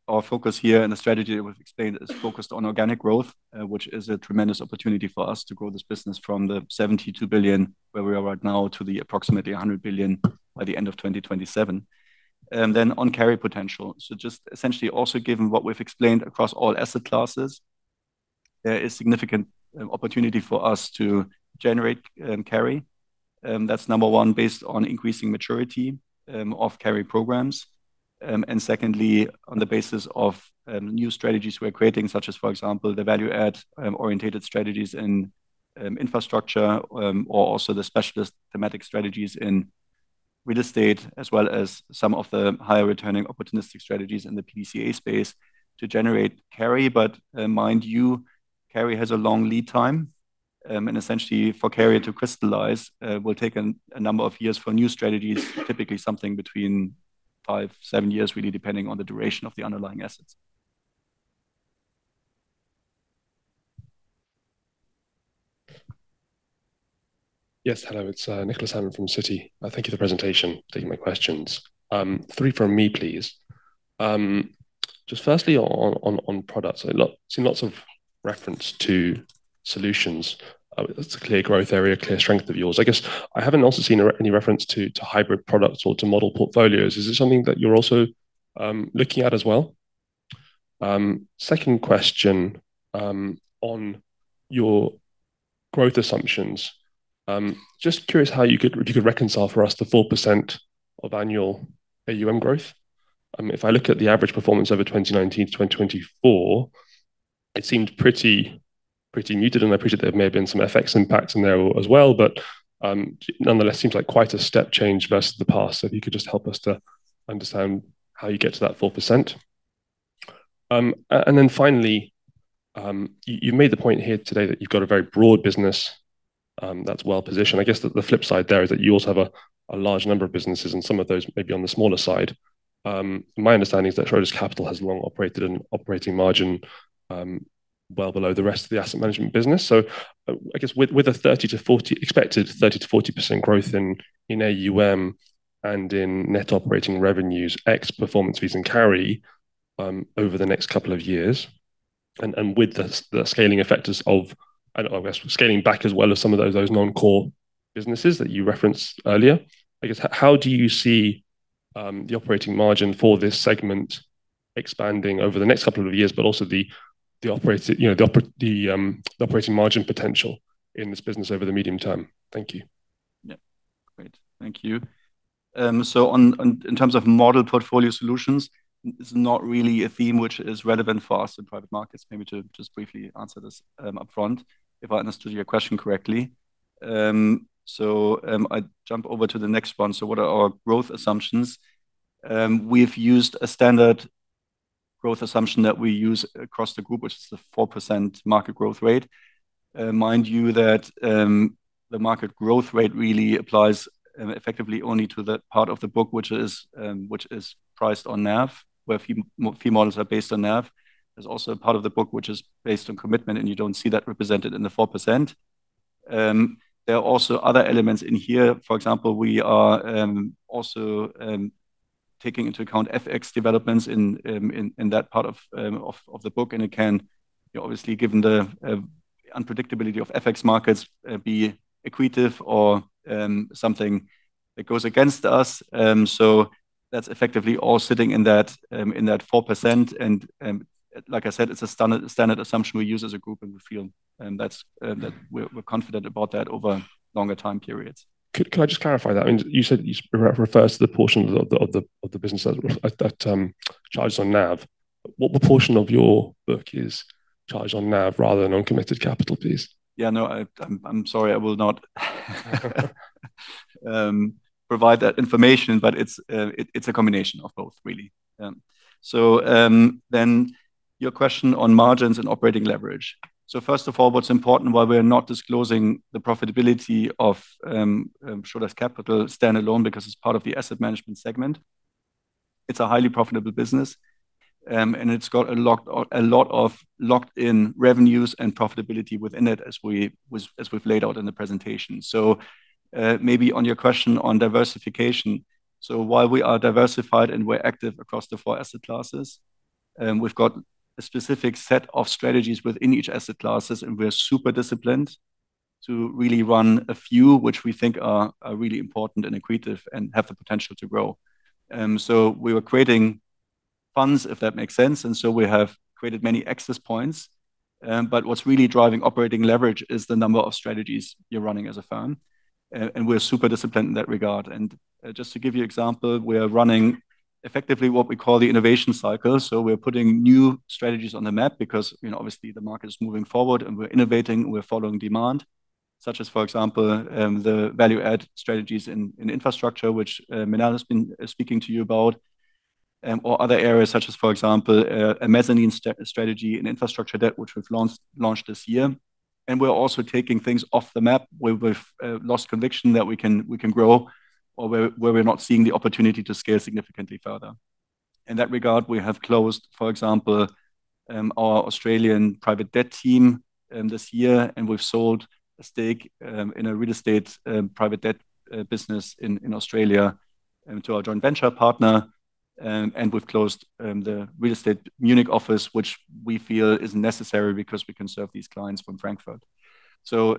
Our focus here and the strategy that we've explained is focused on organic growth, which is a tremendous opportunity for us to grow this business from the 72 billion where we are right now to the approximately 100 billion by the end of 2027. On carry potential, just essentially, also given what we've explained across all asset classes, there is significant opportunity for us to generate carry. That's number one, based on increasing maturity of carry programs. Secondly, on the basis of new strategies we're creating, such as, for example, the value-add orientated strategies in infrastructure or also the specialist thematic strategies in real estate, as well as some of the higher returning opportunistic strategies in the PDCA space to generate carry. Mind you, carry has a long lead time. Essentially, for carry to crystallize, it will take a number of years for new strategies, typically something between 5-7 years, really, depending on the duration of the underlying assets. Yes. Hello. It's Nicholas Herrmann from Citi. Thank you for the presentation. Taking my questions. Three from me, please. Just firstly, on products, I've seen lots of reference to solutions. That's a clear growth area, clear strength of yours. I guess I haven't also seen any reference to hybrid products or to model portfolios. Is it something that you're also looking at as well? Second question on your growth assumptions. Just curious how you could reconcile for us the 4% of annual AUM growth. If I look at the average performance over 2019 to 2024, it seemed pretty muted. I appreciate there may have been some effects impacts in there as well. Nonetheless, it seems like quite a step change versus the past. If you could just help us to understand how you get to that 4%. Finally, you've made the point here today that you've got a very broad business that's well positioned. I guess the flip side there is that you also have a large number of businesses, and some of those may be on the smaller side. My understanding is that Schroders Capital has long operated an operating margin well below the rest of the asset management business. I guess with a 30%-40% expected growth in AUM and in net operating revenues ex performance fees and carry over the next couple of years, and with the scaling effects of, I guess, scaling back as well as some of those non-core businesses that you referenced earlier, I guess, how do you see the operating margin for this segment expanding over the next couple of years, but also the operating margin potential in this business over the medium term? Thank you. Yeah. Great. Thank you. In terms of model portfolio solutions, it's not really a theme which is relevant for us in private markets. Maybe to just briefly answer this upfront, if I understood your question correctly. I jump over to the next one. What are our growth assumptions? We've used a standard growth assumption that we use across the group, which is the 4% market growth rate. Mind you that the market growth rate really applies effectively only to the part of the book which is priced on NAV, where a few models are based on NAV. There's also a part of the book which is based on commitment, and you don't see that represented in the 4%. There are also other elements in here. For example, we are also taking into account FX developments in that part of the book. It can, obviously, given the unpredictability of FX markets, be accretive or something that goes against us. That's effectively all sitting in that 4%. Like I said, it's a standard assumption we use as a group, and we feel that we're confident about that over longer time periods. Can I just clarify that? I mean, you said it refers to the portion of the business that charges on NAV. What portion of your book is charged on NAV rather than uncommitted capital, please? Yeah. No, I'm sorry. I will not provide that information, but it's a combination of both, really. Your question on margins and operating leverage. First of all, what's important, while we're not disclosing the profitability of Schroders Capital standalone because it's part of the asset management segment, it's a highly profitable business. It's got a lot of locked-in revenues and profitability within it, as we've laid out in the presentation. Maybe on your question on diversification, while we are diversified and we're active across the four asset classes, we've got a specific set of strategies within each asset classes. We're super disciplined to really run a few which we think are really important and accretive and have the potential to grow. We were creating funds, if that makes sense. We have created many access points. What's really driving operating leverage is the number of strategies you're running as a firm. We're super disciplined in that regard. Just to give you an example, we are running effectively what we call the innovation cycle. We're putting new strategies on the map because, obviously, the market is moving forward, and we're innovating, and we're following demand, such as, for example, the value-add strategies in infrastructure, which Minal has been speaking to you about, or other areas such as, for example, a mezzanine strategy in infrastructure debt, which we've launched this year. We're also taking things off the map where we've lost conviction that we can grow or where we're not seeing the opportunity to scale significantly further. In that regard, we have closed, for example, our Australian private debt team this year. We've sold a stake in a real estate private debt business in Australia to our joint venture partner. We've closed the real estate Munich office, which we feel is necessary because we can serve these clients from Frankfurt.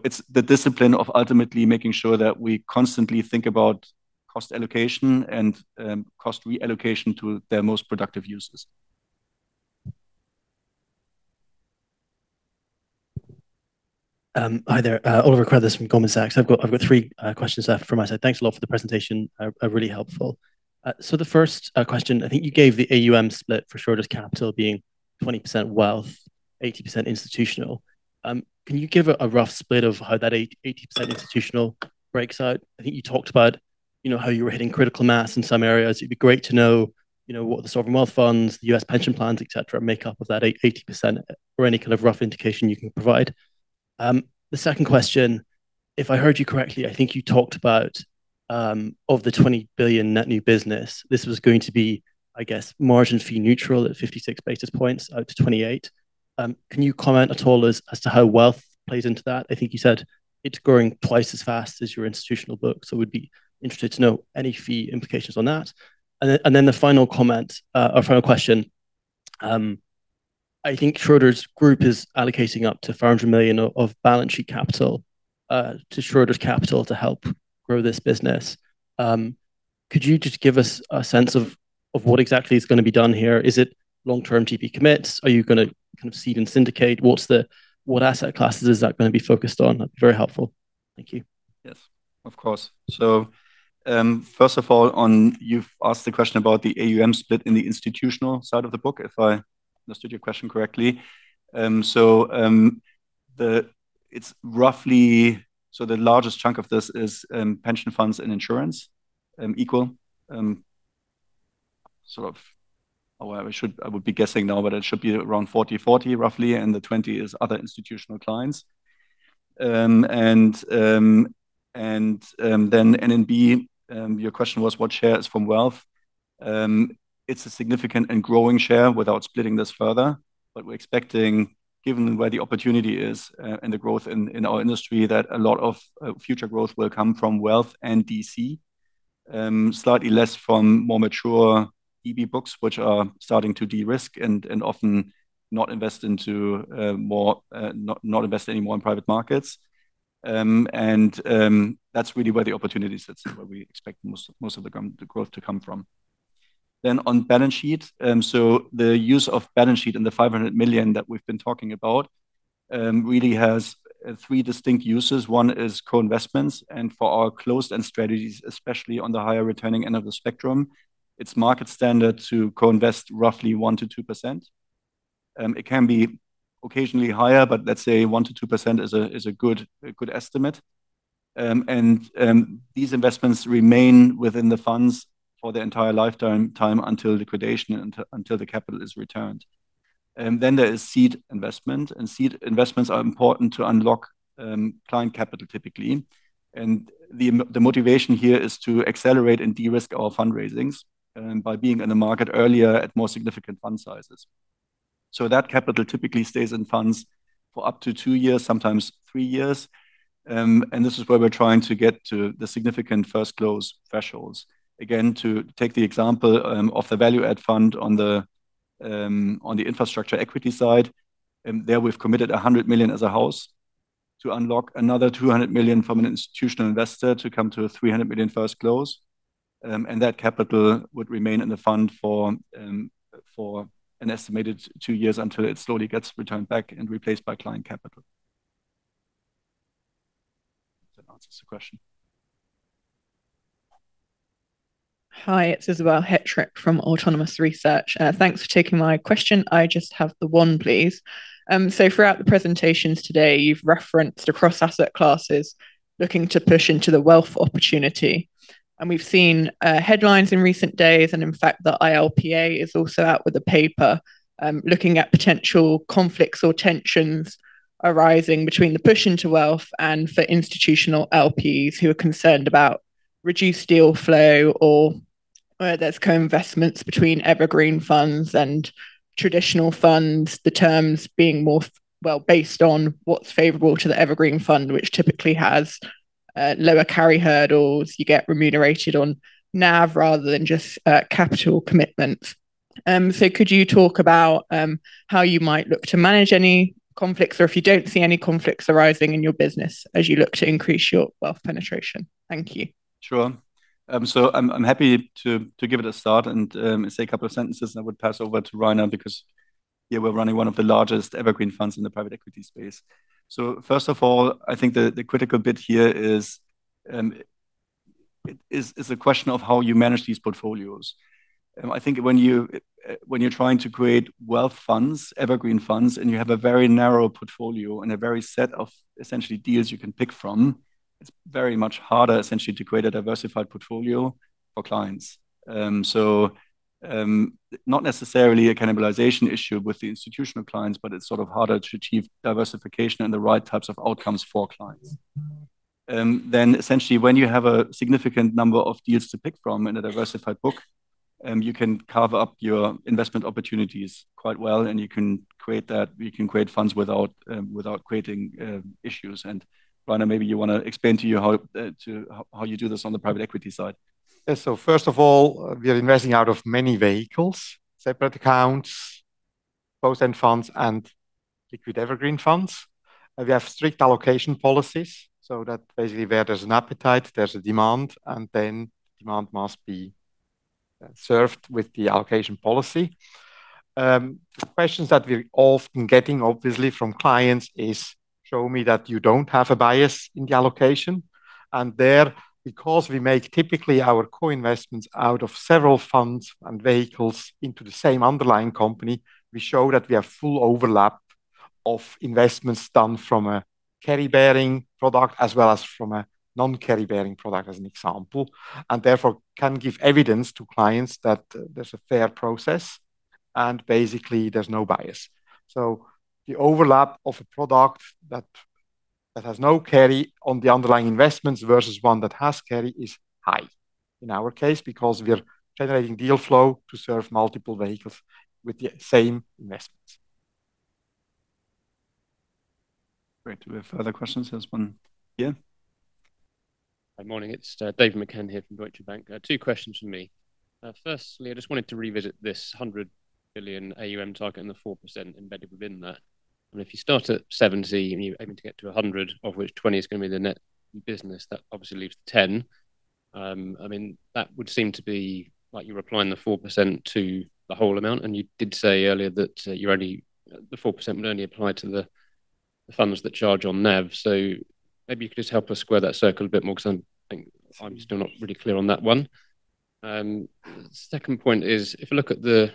It's the discipline of ultimately making sure that we constantly think about cost allocation and cost reallocation to their most productive users. Hi there. Oliver Rogers from Goldman Sachs. I've got three questions left from my side. Thanks a lot for the presentation. Really helpful. The first question, I think you gave the AUM split for Schroders Capital being 20% wealth, 80% institutional. Can you give a rough split of how that 80% institutional breaks out? I think you talked about how you were hitting critical mass in some areas. It'd be great to know what the sovereign wealth funds, the U.S. pension plans, etc., make up of that 80% or any kind of rough indication you can provide. The second question, if I heard you correctly, I think you talked about of the 20 billion net new business, this was going to be, I guess, margin fee neutral at 56 basis points out to 28. Can you comment at all as to how wealth plays into that? I think you said it's growing twice as fast as your institutional book. We'd be interested to know any fee implications on that. And then the final comment, our final question, I think Schroders Group is allocating up to 500 million of balance sheet capital to Schroders Capital to help grow this business. Could you just give us a sense of what exactly is going to be done here? Is it long-term GP commits? Are you going to kind of seed and syndicate? What asset classes is that going to be focused on? That'd be very helpful. Thank you. Yes. Of course. First of all, you've asked the question about the AUM split in the institutional side of the book, if I understood your question correctly. It's roughly, so the largest chunk of this is pension funds and insurance equal. Sort of, I would be guessing now, but it should be around 40/40, roughly. And the 20 is other institutional clients. NNB, your question was what share is from wealth. It is a significant and growing share without splitting this further. We are expecting, given where the opportunity is and the growth in our industry, that a lot of future growth will come from wealth and DC, slightly less from more mature EB books, which are starting to de-risk and often not invest anymore in private markets. That is really where the opportunity sits and where we expect most of the growth to come from. On balance sheet, the use of balance sheet and the 500 million that we have been talking about really has three distinct uses. One is co-investments. For our closed-end strategies, especially on the higher returning end of the spectrum, it is market standard to co-invest roughly 1%-2%. It can be occasionally higher, but let's say 1%-2% is a good estimate. These investments remain within the funds for their entire lifetime until liquidation, until the capital is returned. There is seed investment. Seed investments are important to unlock client capital, typically. The motivation here is to accelerate and de-risk our fundraisings by being in the market earlier at more significant fund sizes. That capital typically stays in funds for up to two years, sometimes three years. This is where we're trying to get to the significant first-close thresholds. To take the example of the value-add fund on the infrastructure equity side, there we've committed 100 million as a house to unlock another 200 million from an institutional investor to come to a 300 million first close. That capital would remain in the fund for an estimated two years until it slowly gets returned back and replaced by client capital. That answers the question. Hi. It's Isobel Hettrick from Autonomous Research. Thanks for taking my question. I just have the one, please. Throughout the presentations today, you've referenced across asset classes looking to push into the wealth opportunity. We've seen headlines in recent days. In fact, the ILPA is also out with a paper looking at potential conflicts or tensions arising between the push into wealth and for institutional LPs who are concerned about reduced deal flow or where there's co-investments between evergreen funds and traditional funds, the terms being more well based on what's favorable to the evergreen fund, which typically has lower carry hurdles. You get remunerated on NAV rather than just capital commitments. Could you talk about how you might look to manage any conflicts or if you do not see any conflicts arising in your business as you look to increase your wealth penetration? Thank you. Sure. I am happy to give it a start and say a couple of sentences. I would pass over to Rainer because here we are running one of the largest evergreen funds in the private equity space. First of all, I think the critical bit here is it is a question of how you manage these portfolios. I think when you are trying to create wealth funds, evergreen funds, and you have a very narrow portfolio and a very set of essentially deals you can pick from, it is very much harder, essentially, to create a diversified portfolio for clients. Not necessarily a cannibalization issue with the institutional clients, but it's sort of harder to achieve diversification and the right types of outcomes for clients. Essentially, when you have a significant number of deals to pick from in a diversified book, you can cover up your investment opportunities quite well. You can create that. You can create funds without creating issues. Rainer, maybe you want to explain to you how you do this on the private equity side. Yeah. First of all, we are investing out of many vehicles: separate accounts, both end funds and liquid evergreen funds. We have strict allocation policies. Basically, where there's an appetite, there's a demand. Demand must be served with the allocation policy. Questions that we're often getting, obviously, from clients is, "Show me that you don't have a bias in the allocation." There, because we make typically our co-investments out of several funds and vehicles into the same underlying company, we show that we have full overlap of investments done from a carry-bearing product as well as from a non-carry-bearing product, as an example, and therefore can give evidence to clients that there's a fair process and basically there's no bias. The overlap of a product that has no carry on the underlying investments versus one that has carry is high in our case because we're generating deal flow to serve multiple vehicles with the same investments. Great. We have further questions. There's one here. Good morning. It's David McCann here from Deutsche Bank. Two questions for me. Firstly, I just wanted to revisit this 100 billion AUM target and the 4% embedded within that. I mean, if you start at 70 and you're aiming to get to 100, of which 20 is going to be the net business, that obviously leaves 10. I mean, that would seem to be like you're applying the 4% to the whole amount. You did say earlier that the 4% would only apply to the funds that charge on NAV. Maybe you could just help us square that circle a bit more because I'm still not really clear on that one. Second point is, if you look at the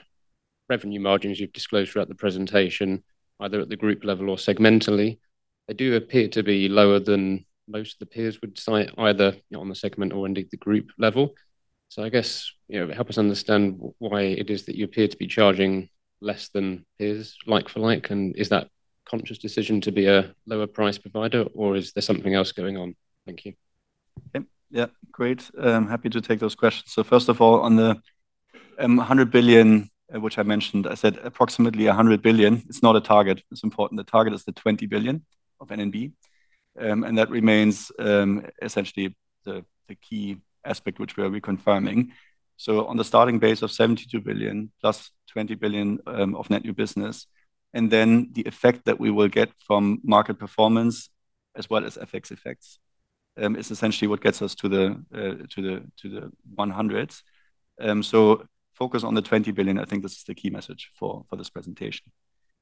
revenue margins you've disclosed throughout the presentation, either at the group level or segmentally, they do appear to be lower than most of the peers would cite, either on the segment or indeed the group level. I guess help us understand why it is that you appear to be charging less than peers like for like. Is that a conscious decision to be a lower-price provider, or is there something else going on? Thank you. Yeah. Great. I'm happy to take those questions. First of all, on the 100 billion, which I mentioned, I said approximately 100 billion. It's not a target. It's important. The target is the 20 billion of NNB. That remains essentially the key aspect which we are reconfirming. On the starting base of 72 billion plus 20 billion of net new business, and then the effect that we will get from market performance as well as FX effects is essentially what gets us to the 100s. Focus on the 20 billion. I think this is the key message for this presentation.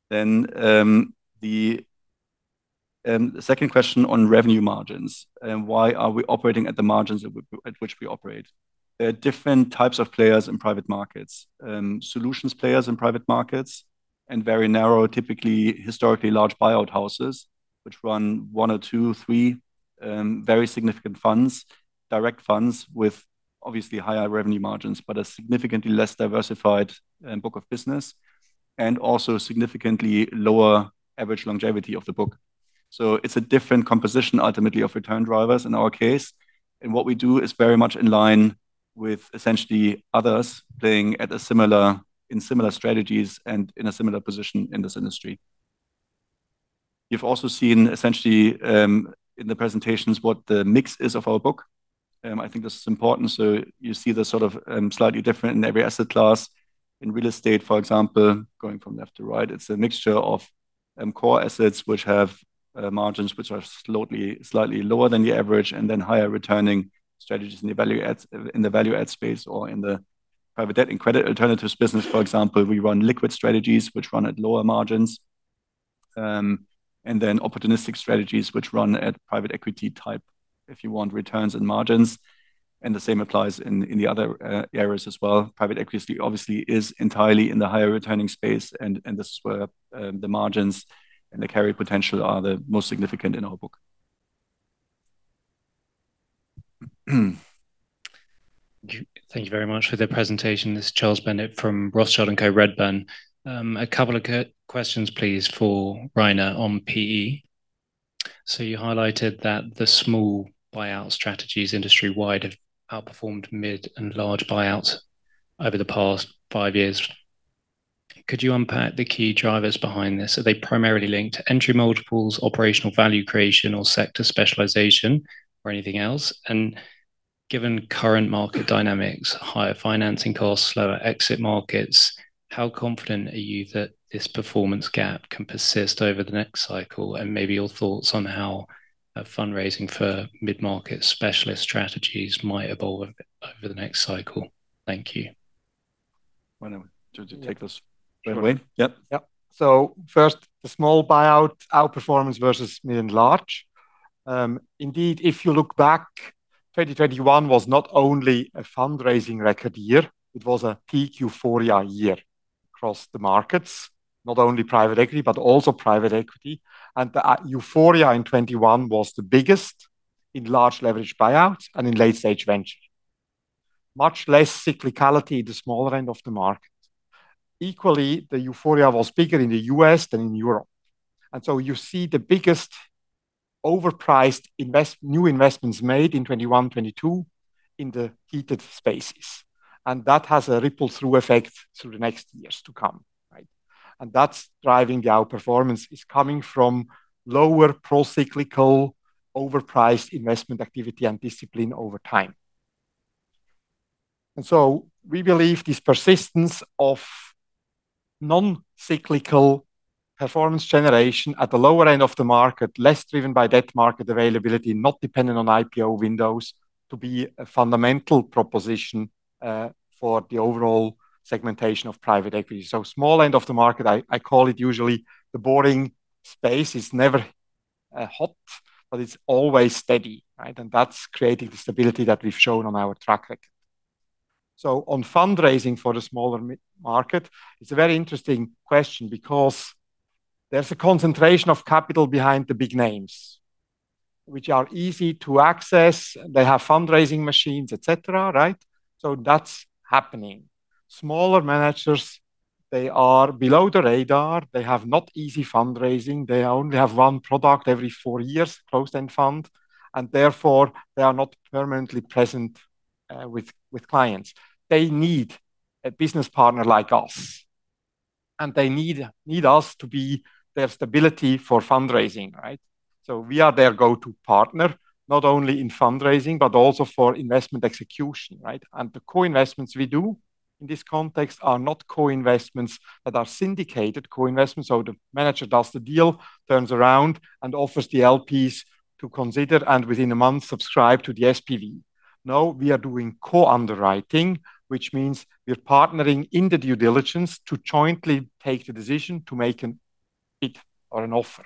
The second question on revenue margins. Why are we operating at the margins at which we operate? There are different types of players in private markets: solutions players in private markets and very narrow, typically historically large buyout houses, which run one or two, three very significant funds, direct funds with obviously higher revenue margins, but a significantly less diversified book of business, and also significantly lower average longevity of the book. It is a different composition, ultimately, of return drivers in our case. What we do is very much in line with essentially others playing in similar strategies and in a similar position in this industry. You have also seen essentially in the presentations what the mix is of our book. I think this is important. You see the sort of slightly different in every asset class. In real estate, for example, going from left to right, it's a mixture of core assets which have margins which are slightly lower than the average and then higher returning strategies in the value-add space or in the private debt and credit alternatives business. For example, we run liquid strategies which run at lower margins and then opportunistic strategies which run at private equity type, if you want, returns and margins. The same applies in the other areas as well. Private equity obviously is entirely in the higher returning space. This is where the margins and the carry potential are the most significant in our book. Thank you very much for the presentation. This is Charles Bendit from Rothschild & Co Redburn. A couple of questions, please, for Rainer on PE. You highlighted that the small buyout strategies industry-wide have outperformed mid and large buyouts over the past five years. Could you unpack the key drivers behind this? Are they primarily linked to entry multiples, operational value creation, or sector specialization, or anything else? Given current market dynamics, higher financing costs, slower exit markets, how confident are you that this performance gap can persist over the next cycle? Maybe your thoughts on how fundraising for mid-market specialist strategies might evolve over the next cycle. Thank you. Want to take this? Yeah. Yeah. First, the small buyout outperformance versus mid and large. Indeed, if you look back, 2021 was not only a fundraising record year. It was a peak euphoria year across the markets, not only private equity, but also private equity. The euphoria in 2021 was the biggest in large leverage buyouts and in late-stage ventures. Much less cyclicality in the smaller end of the market. Equally, the euphoria was bigger in the U.S. than in Europe. You see the biggest overpriced new investments made in 2021-2022 in the heated spaces. That has a ripple-through effect through the next years to come. That is driving the outperformance, coming from lower pro-cyclical overpriced investment activity and discipline over time. We believe this persistence of non-cyclical performance generation at the lower end of the market, less driven by debt market availability, not dependent on IPO windows, to be a fundamental proposition for the overall segmentation of private equity. Small end of the market, I call it usually the boring space. It is never hot, but it is always steady. That is creating the stability that we have shown on our track record. On fundraising for the smaller market, it's a very interesting question because there's a concentration of capital behind the big names, which are easy to access. They have fundraising machines, et cetera. That's happening. Smaller managers, they are below the radar. They have not easy fundraising. They only have one product every four years, closed-end fund. Therefore, they are not permanently present with clients. They need a business partner like us. They need us to be their stability for fundraising. We are their go-to partner, not only in fundraising, but also for investment execution. The co-investments we do in this context are not co-investments that are syndicated co-investments. The manager does the deal, turns around, and offers the LPs to consider and within a month subscribe to the SPV. No, we are doing co-underwriting, which means we're partnering in the due diligence to jointly take the decision to make a bid or an offer.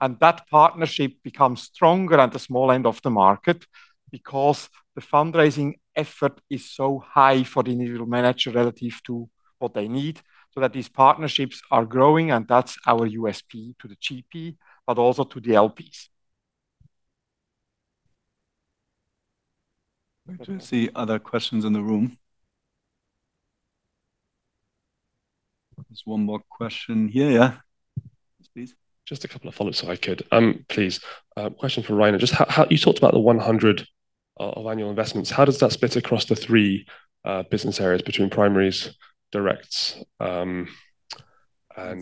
That partnership becomes stronger at the small end of the market because the fundraising effort is so high for the individual manager relative to what they need so that these partnerships are growing. That's our USP to the GP, but also to the LPs. I don't see other questions in the room. There's one more question here. Yeah? Please. Just a couple of follow-ups if I could. Please. Question for Rainer. You talked about the 100 of annual investments. How does that split across the three business areas between primaries, directs, and.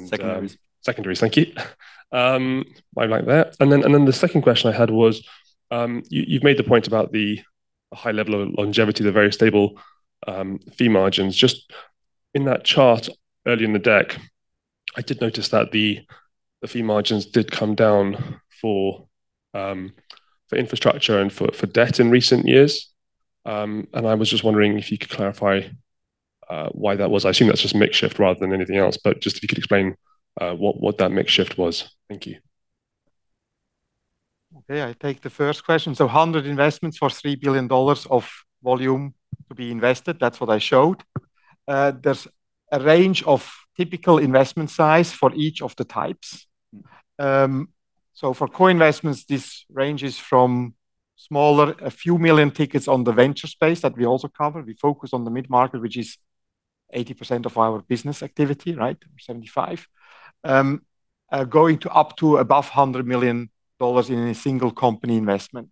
Secondaries. Secondaries. Thank you. Why are you blanking there? The second question I had was, you've made the point about the high level of longevity, the very stable fee margins. Just in that chart earlier in the deck, I did notice that the fee margins did come down for infrastructure and for debt in recent years. I was just wondering if you could clarify why that was. I assume that's just makeshift rather than anything else. Just if you could explain what that makeshift was. Thank you. Okay. I take the first question. 100 investments for $3 billion of volume to be invested. That's what I showed. There's a range of typical investment size for each of the types. For co-investments, this ranges from smaller, a few million tickets on the venture space that we also cover. We focus on the mid-market, which is 80% of our business activity, 75, going to up to above $100 million in a single company investment.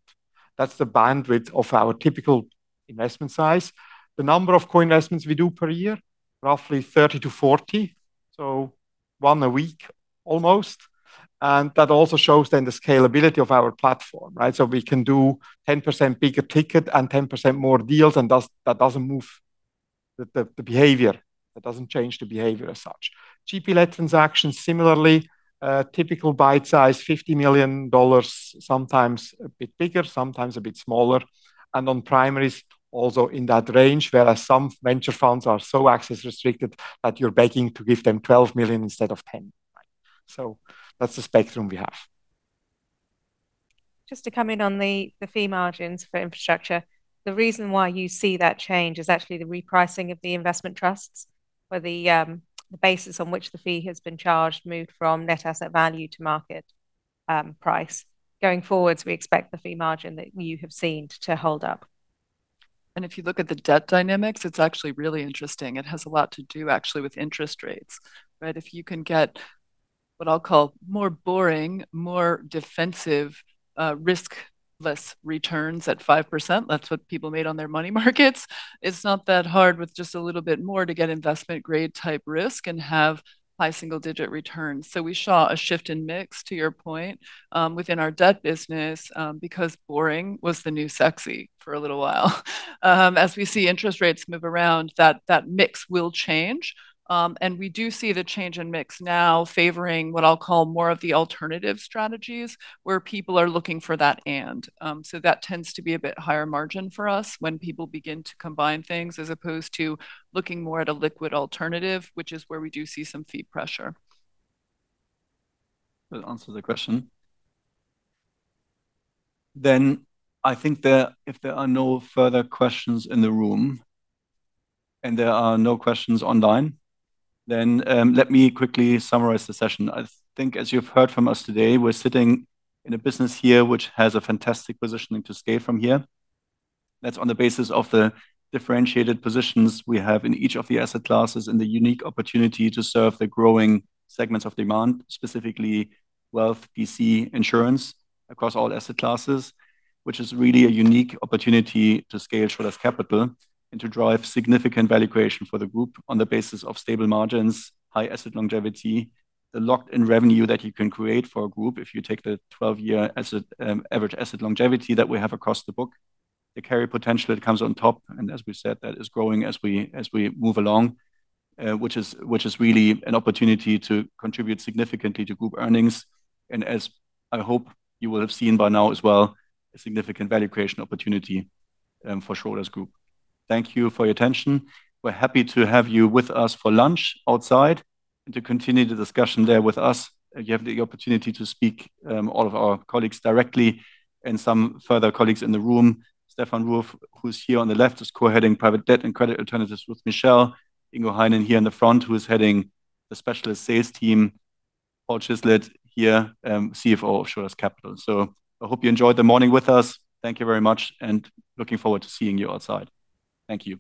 That's the bandwidth of our typical investment size. The number of co-investments we do per year, roughly 30-40, so one a week almost. That also shows then the scalability of our platform. We can do 10% bigger ticket and 10% more deals. That does not move the behavior. That does not change the behavior as such. GP-led transactions, similarly, typical bite size, $50 million, sometimes a bit bigger, sometimes a bit smaller. On primaries, also in that range, whereas some venture funds are so access-restricted that you're begging to give them 12 million instead of 10 million. That's the spectrum we have. Just to come in on the fee margins for infrastructure, the reason why you see that change is actually the repricing of the investment trusts for the basis on which the fee has been charged moved from net asset value to market price. Going forwards, we expect the fee margin that you have seen to hold up. If you look at the debt dynamics, it is actually really interesting. It has a lot to do actually with interest rates. If you can get what I'll call more boring, more defensive risk-less returns at 5%, that is what people made on their money markets, it is not that hard with just a little bit more to get investment-grade type risk and have high single-digit returns. We saw a shift in mix, to your point, within our debt business because boring was the new sexy for a little while. As we see interest rates move around, that mix will change. We do see the change in mix now favoring what I'll call more of the alternative strategies where people are looking for that and. That tends to be a bit higher margin for us when people begin to combine things as opposed to looking more at a liquid alternative, which is where we do see some fee pressure. That answers the question. I think that if there are no further questions in the room and there are no questions online, let me quickly summarize the session. I think as you've heard from us today, we're sitting in a business here which has a fantastic positioning to scale from here. That's on the basis of the differentiated positions we have in each of the asset classes and the unique opportunity to serve the growing segments of demand, specifically wealth, PC, insurance across all asset classes, which is really a unique opportunity to scale Schroders Capital and to drive significant value creation for the group on the basis of stable margins, high asset longevity, the locked-in revenue that you can create for a group if you take the 12-year average asset longevity that we have across the book. The carry potential, it comes on top. As we said, that is growing as we move along, which is really an opportunity to contribute significantly to group earnings. As I hope you will have seen by now as well, a significant value creation opportunity for Schroders Group. Thank you for your attention. We're happy to have you with us for lunch outside and to continue the discussion there with us. You have the opportunity to speak to all of our colleagues directly and some further colleagues in the room. Steffen Ruf, who's here on the left, is co-heading private debt and credit alternatives with Michelle. Ingo Heinen, here in the front, who is heading the specialist sales team. Paul Chislett here, CFO of Schroders Capital. I hope you enjoyed the morning with us. Thank you very much. Looking forward to seeing you outside. Thank you.